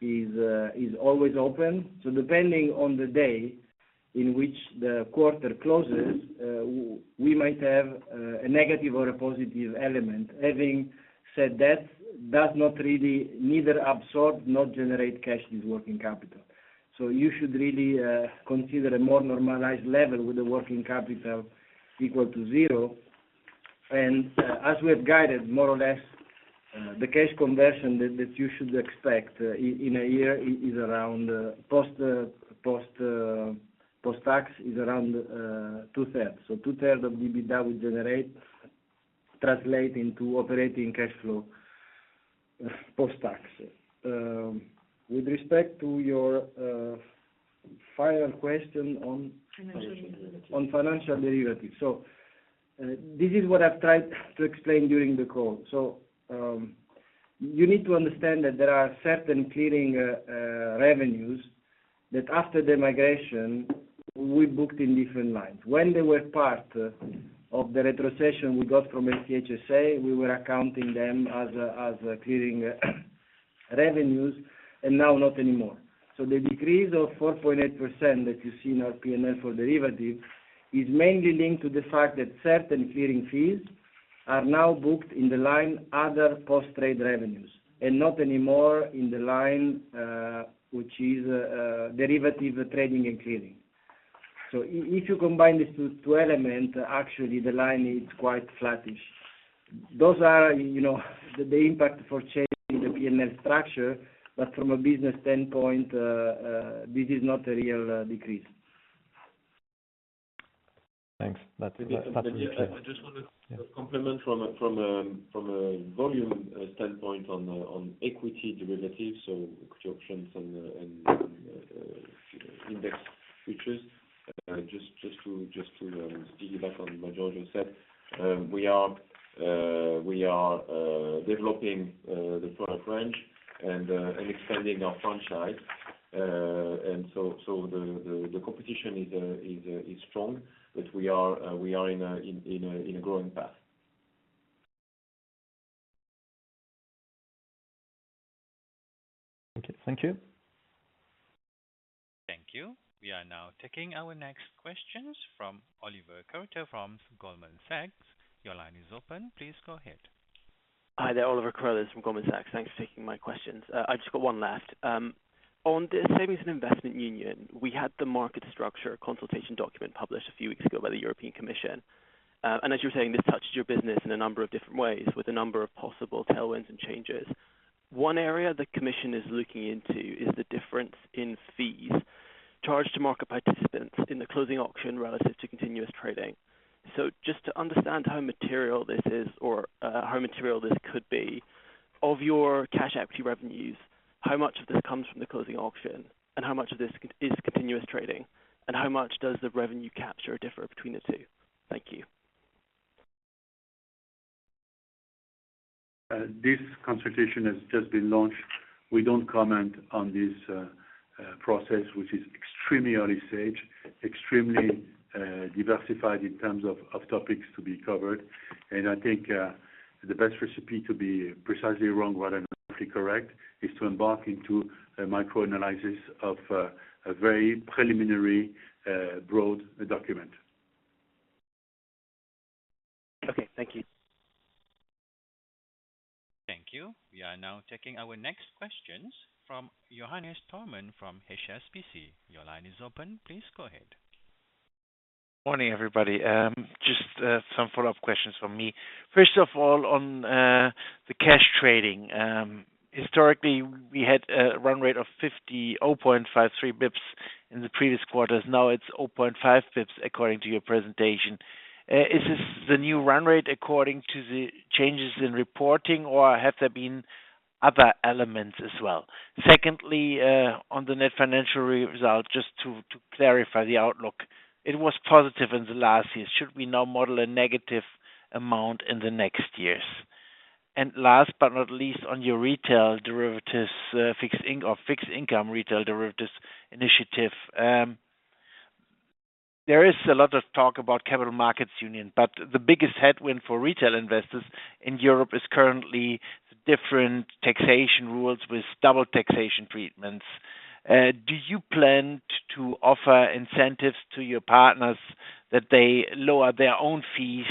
is always open. Depending on the day in which the quarter closes, we might have a negative or a positive element. Having said that, it does not really neither absorb nor generate cash in working capital. You should really consider a more normalized level with the working capital equal to zero. As we have guided, more or less, the cash conversion that you should expect in a year is around post-tax is around two-thirds. Two-thirds of EBITDA would translate into operating cash flow post-tax. With respect to your final question on financial derivatives. On financial derivatives, this is what I have tried to explain during the call. You need to understand that there are certain clearing revenues that after the migration, we booked in different lines. When they were part of the retrocession we got from LCH SA, we were accounting them as clearing revenues, and now not anymore. The decrease of 4.8% that you see in our P&L for derivatives is mainly linked to the fact that certain clearing fees are now booked in the line other post-trade revenues and not anymore in the line which is derivative trading and clearing. If you combine these two elements, actually, the line is quite flattish. Those are the impact for changing the P&L structure, but from a business standpoint, this is not a real decrease. Thanks. That's a big change. I just want to complement from a volume standpoint on equity derivatives, so equity options and index futures. Just to piggyback on what Giorgio said, we are developing the product range and expanding our franchise. The competition is strong, but we are in a growing path. Okay. Thank you. Thank you. We are now taking our next questions from Oliver Carruthers from Goldman Sachs. Your line is open. Please go ahead. Hi, there. Oliver Carruthers from Goldman Sachs. Thanks for taking my questions. I've just got one left. On the savings and investment union, we had the market structure consultation document published a few weeks ago by the European Commission. As you were saying, this touched your business in a number of different ways with a number of possible tailwinds and changes. One area the Commission is looking into is the difference in fees charged to market participants in the closing auction relative to continuous trading. Just to understand how material this is or how material this could be of your cash equity revenues, how much of this comes from the closing auction and how much of this is continuous trading, and how much does the revenue capture differ between the two? Thank you. This consultation has just been launched. We do not comment on this process, which is extremely early stage, extremely diversified in terms of topics to be covered. I think the best recipe to be precisely wrong rather than perfectly correct is to embark into a micro-analysis of a very preliminary broad document. Okay. Thank you. Thank you. We are now taking our next questions from Johannes Thormann from HSBC. Your line is open. Please go ahead. Morning, everybody. Just some follow-up questions from me. First of all, on the cash trading, historically, we had a run rate of 0.53 basis points in the previous quarters. Now, it's 0.5 basis points according to your presentation. Is this the new run rate according to the changes in reporting, or have there been other elements as well? Secondly, on the net financial result, just to clarify the outlook, it was positive in the last year. Should we now model a negative amount in the next years? And last but not least, on your retail derivatives fixed income retail derivatives initiative, there is a lot of talk about capital markets union, but the biggest headwind for retail investors in Europe is currently different taxation rules with double taxation treatments. Do you plan to offer incentives to your partners that they lower their own fees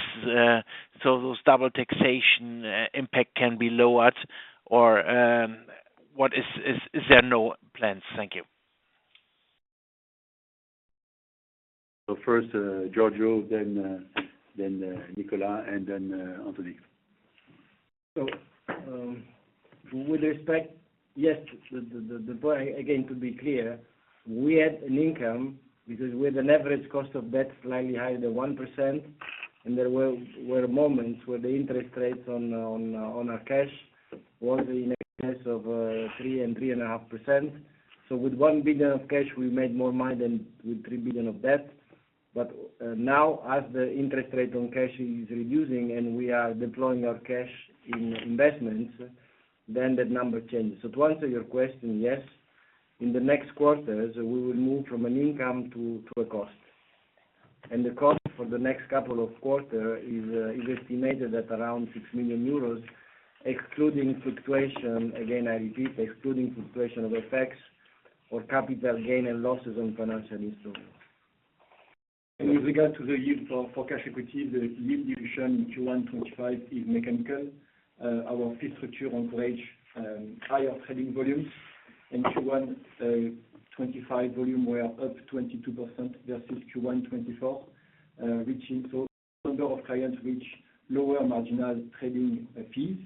so those double taxation impact can be lowered, or is there no plans? Thank you. First, Jorge, then Nicolas, and then Anthony. With respect, yes, again, to be clear, we had an income because we had an average cost of debt slightly higher than 1%. There were moments where the interest rates on our cash was in excess of 3% and 3.5%. With 1 billion of cash, we made more money than with 3 billion of debt. Now, as the interest rate on cash is reducing and we are deploying our cash in investments, that number changes. To answer your question, yes, in the next quarters, we will move from an income to a cost. The cost for the next couple of quarters is estimated at around 6 million euros, excluding fluctuation—again, I repeat—excluding fluctuation of effects or capital gain and losses on financial instruments. With regard to the yield for cash equities, the yield deviation in Q1 2025 is mechanical. Our fee structure encourages higher trading volumes, and Q1 2025 volume were up 22% versus Q1 2024, reaching so number of clients reach lower marginal trading fees,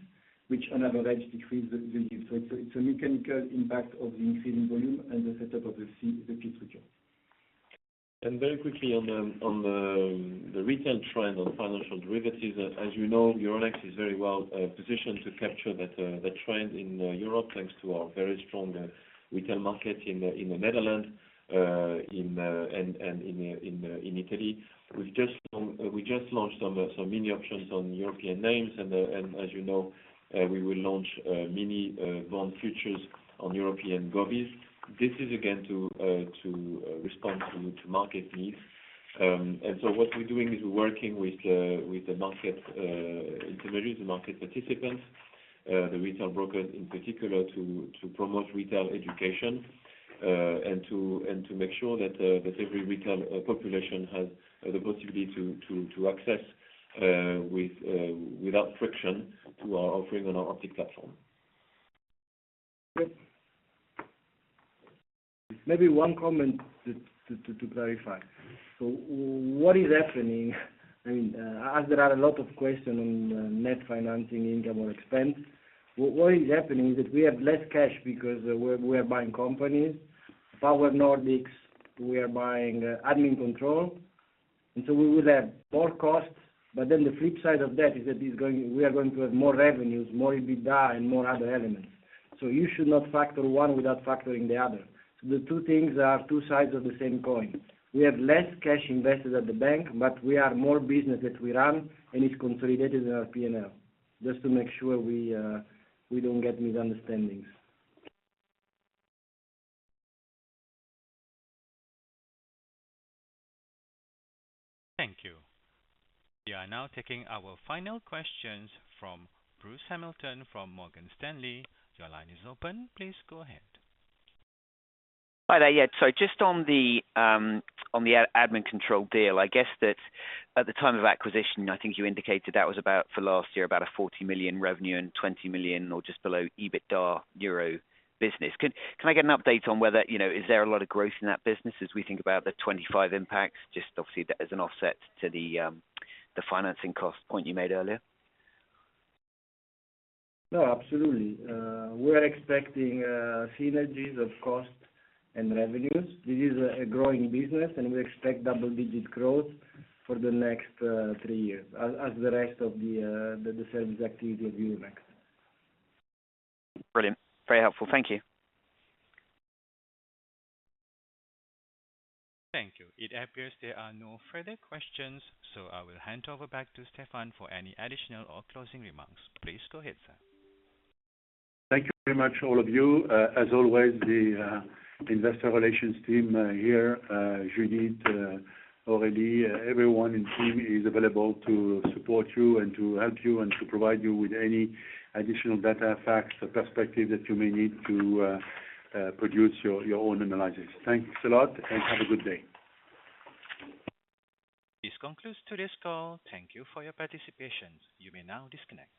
which on average decrease the yield. It is a mechanical impact of the increase in volume and the setup of the fee structure. Very quickly on the retail trend on financial derivatives, as you know, Euronext is very well positioned to capture that trend in Europe thanks to our very strong retail market in the Netherlands and in Italy. We just launched some mini options on European names, and as you know, we will launch mini bond futures on European government bonds. This is again to respond to market needs. What we are doing is we are working with the market intermediaries, the market participants, the retail brokers in particular, to promote retail education and to make sure that every retail population has the possibility to access without friction to our offering on our Optiq platform. Yes. Maybe one comment to clarify. What is happening, I mean, as there are a lot of questions on net financing, income, or expense, what is happening is that we have less cash because we are buying companies. Power Nordics, we are buying Admincontrol. We will have more costs, but then the flip side of that is that we are going to have more revenues, more EBITDA, and more other elements. You should not factor one without factoring the other. The two things are two sides of the same coin. We have less cash invested at the bank, but we are more business that we run, and it is consolidated in our P&L, just to make sure we do not get misunderstandings. Thank you. We are now taking our final questions from Bruce Hamilton from Morgan Stanley. Your line is open. Please go ahead. Hi there. Yeah. Just on the Admincontrol deal, I guess that at the time of acquisition, I think you indicated that was about, for last year, about 40 million revenue and 20 million or just below EBITDA business. Can I get an update on whether is there a lot of growth in that business as we think about the 2025 impacts, just obviously as an offset to the financing cost point you made earlier? No, absolutely. We are expecting synergies of cost and revenues. This is a growing business, and we expect double-digit growth for the next three years as the rest of the service activity of Euronext. Brilliant. Very helpful. Thank you. Thank you. It appears there are no further questions, so I will hand over back to Stéphane for any additional or closing remarks. Please go ahead, sir. Thank you very much, all of you. As always, the investor relations team here, Judith, Aurélie, everyone in the team is available to support you and to help you and to provide you with any additional data, facts, or perspectives that you may need to produce your own analysis. Thanks a lot and have a good day. This concludes today's call. Thank you for your participation. You may now disconnect.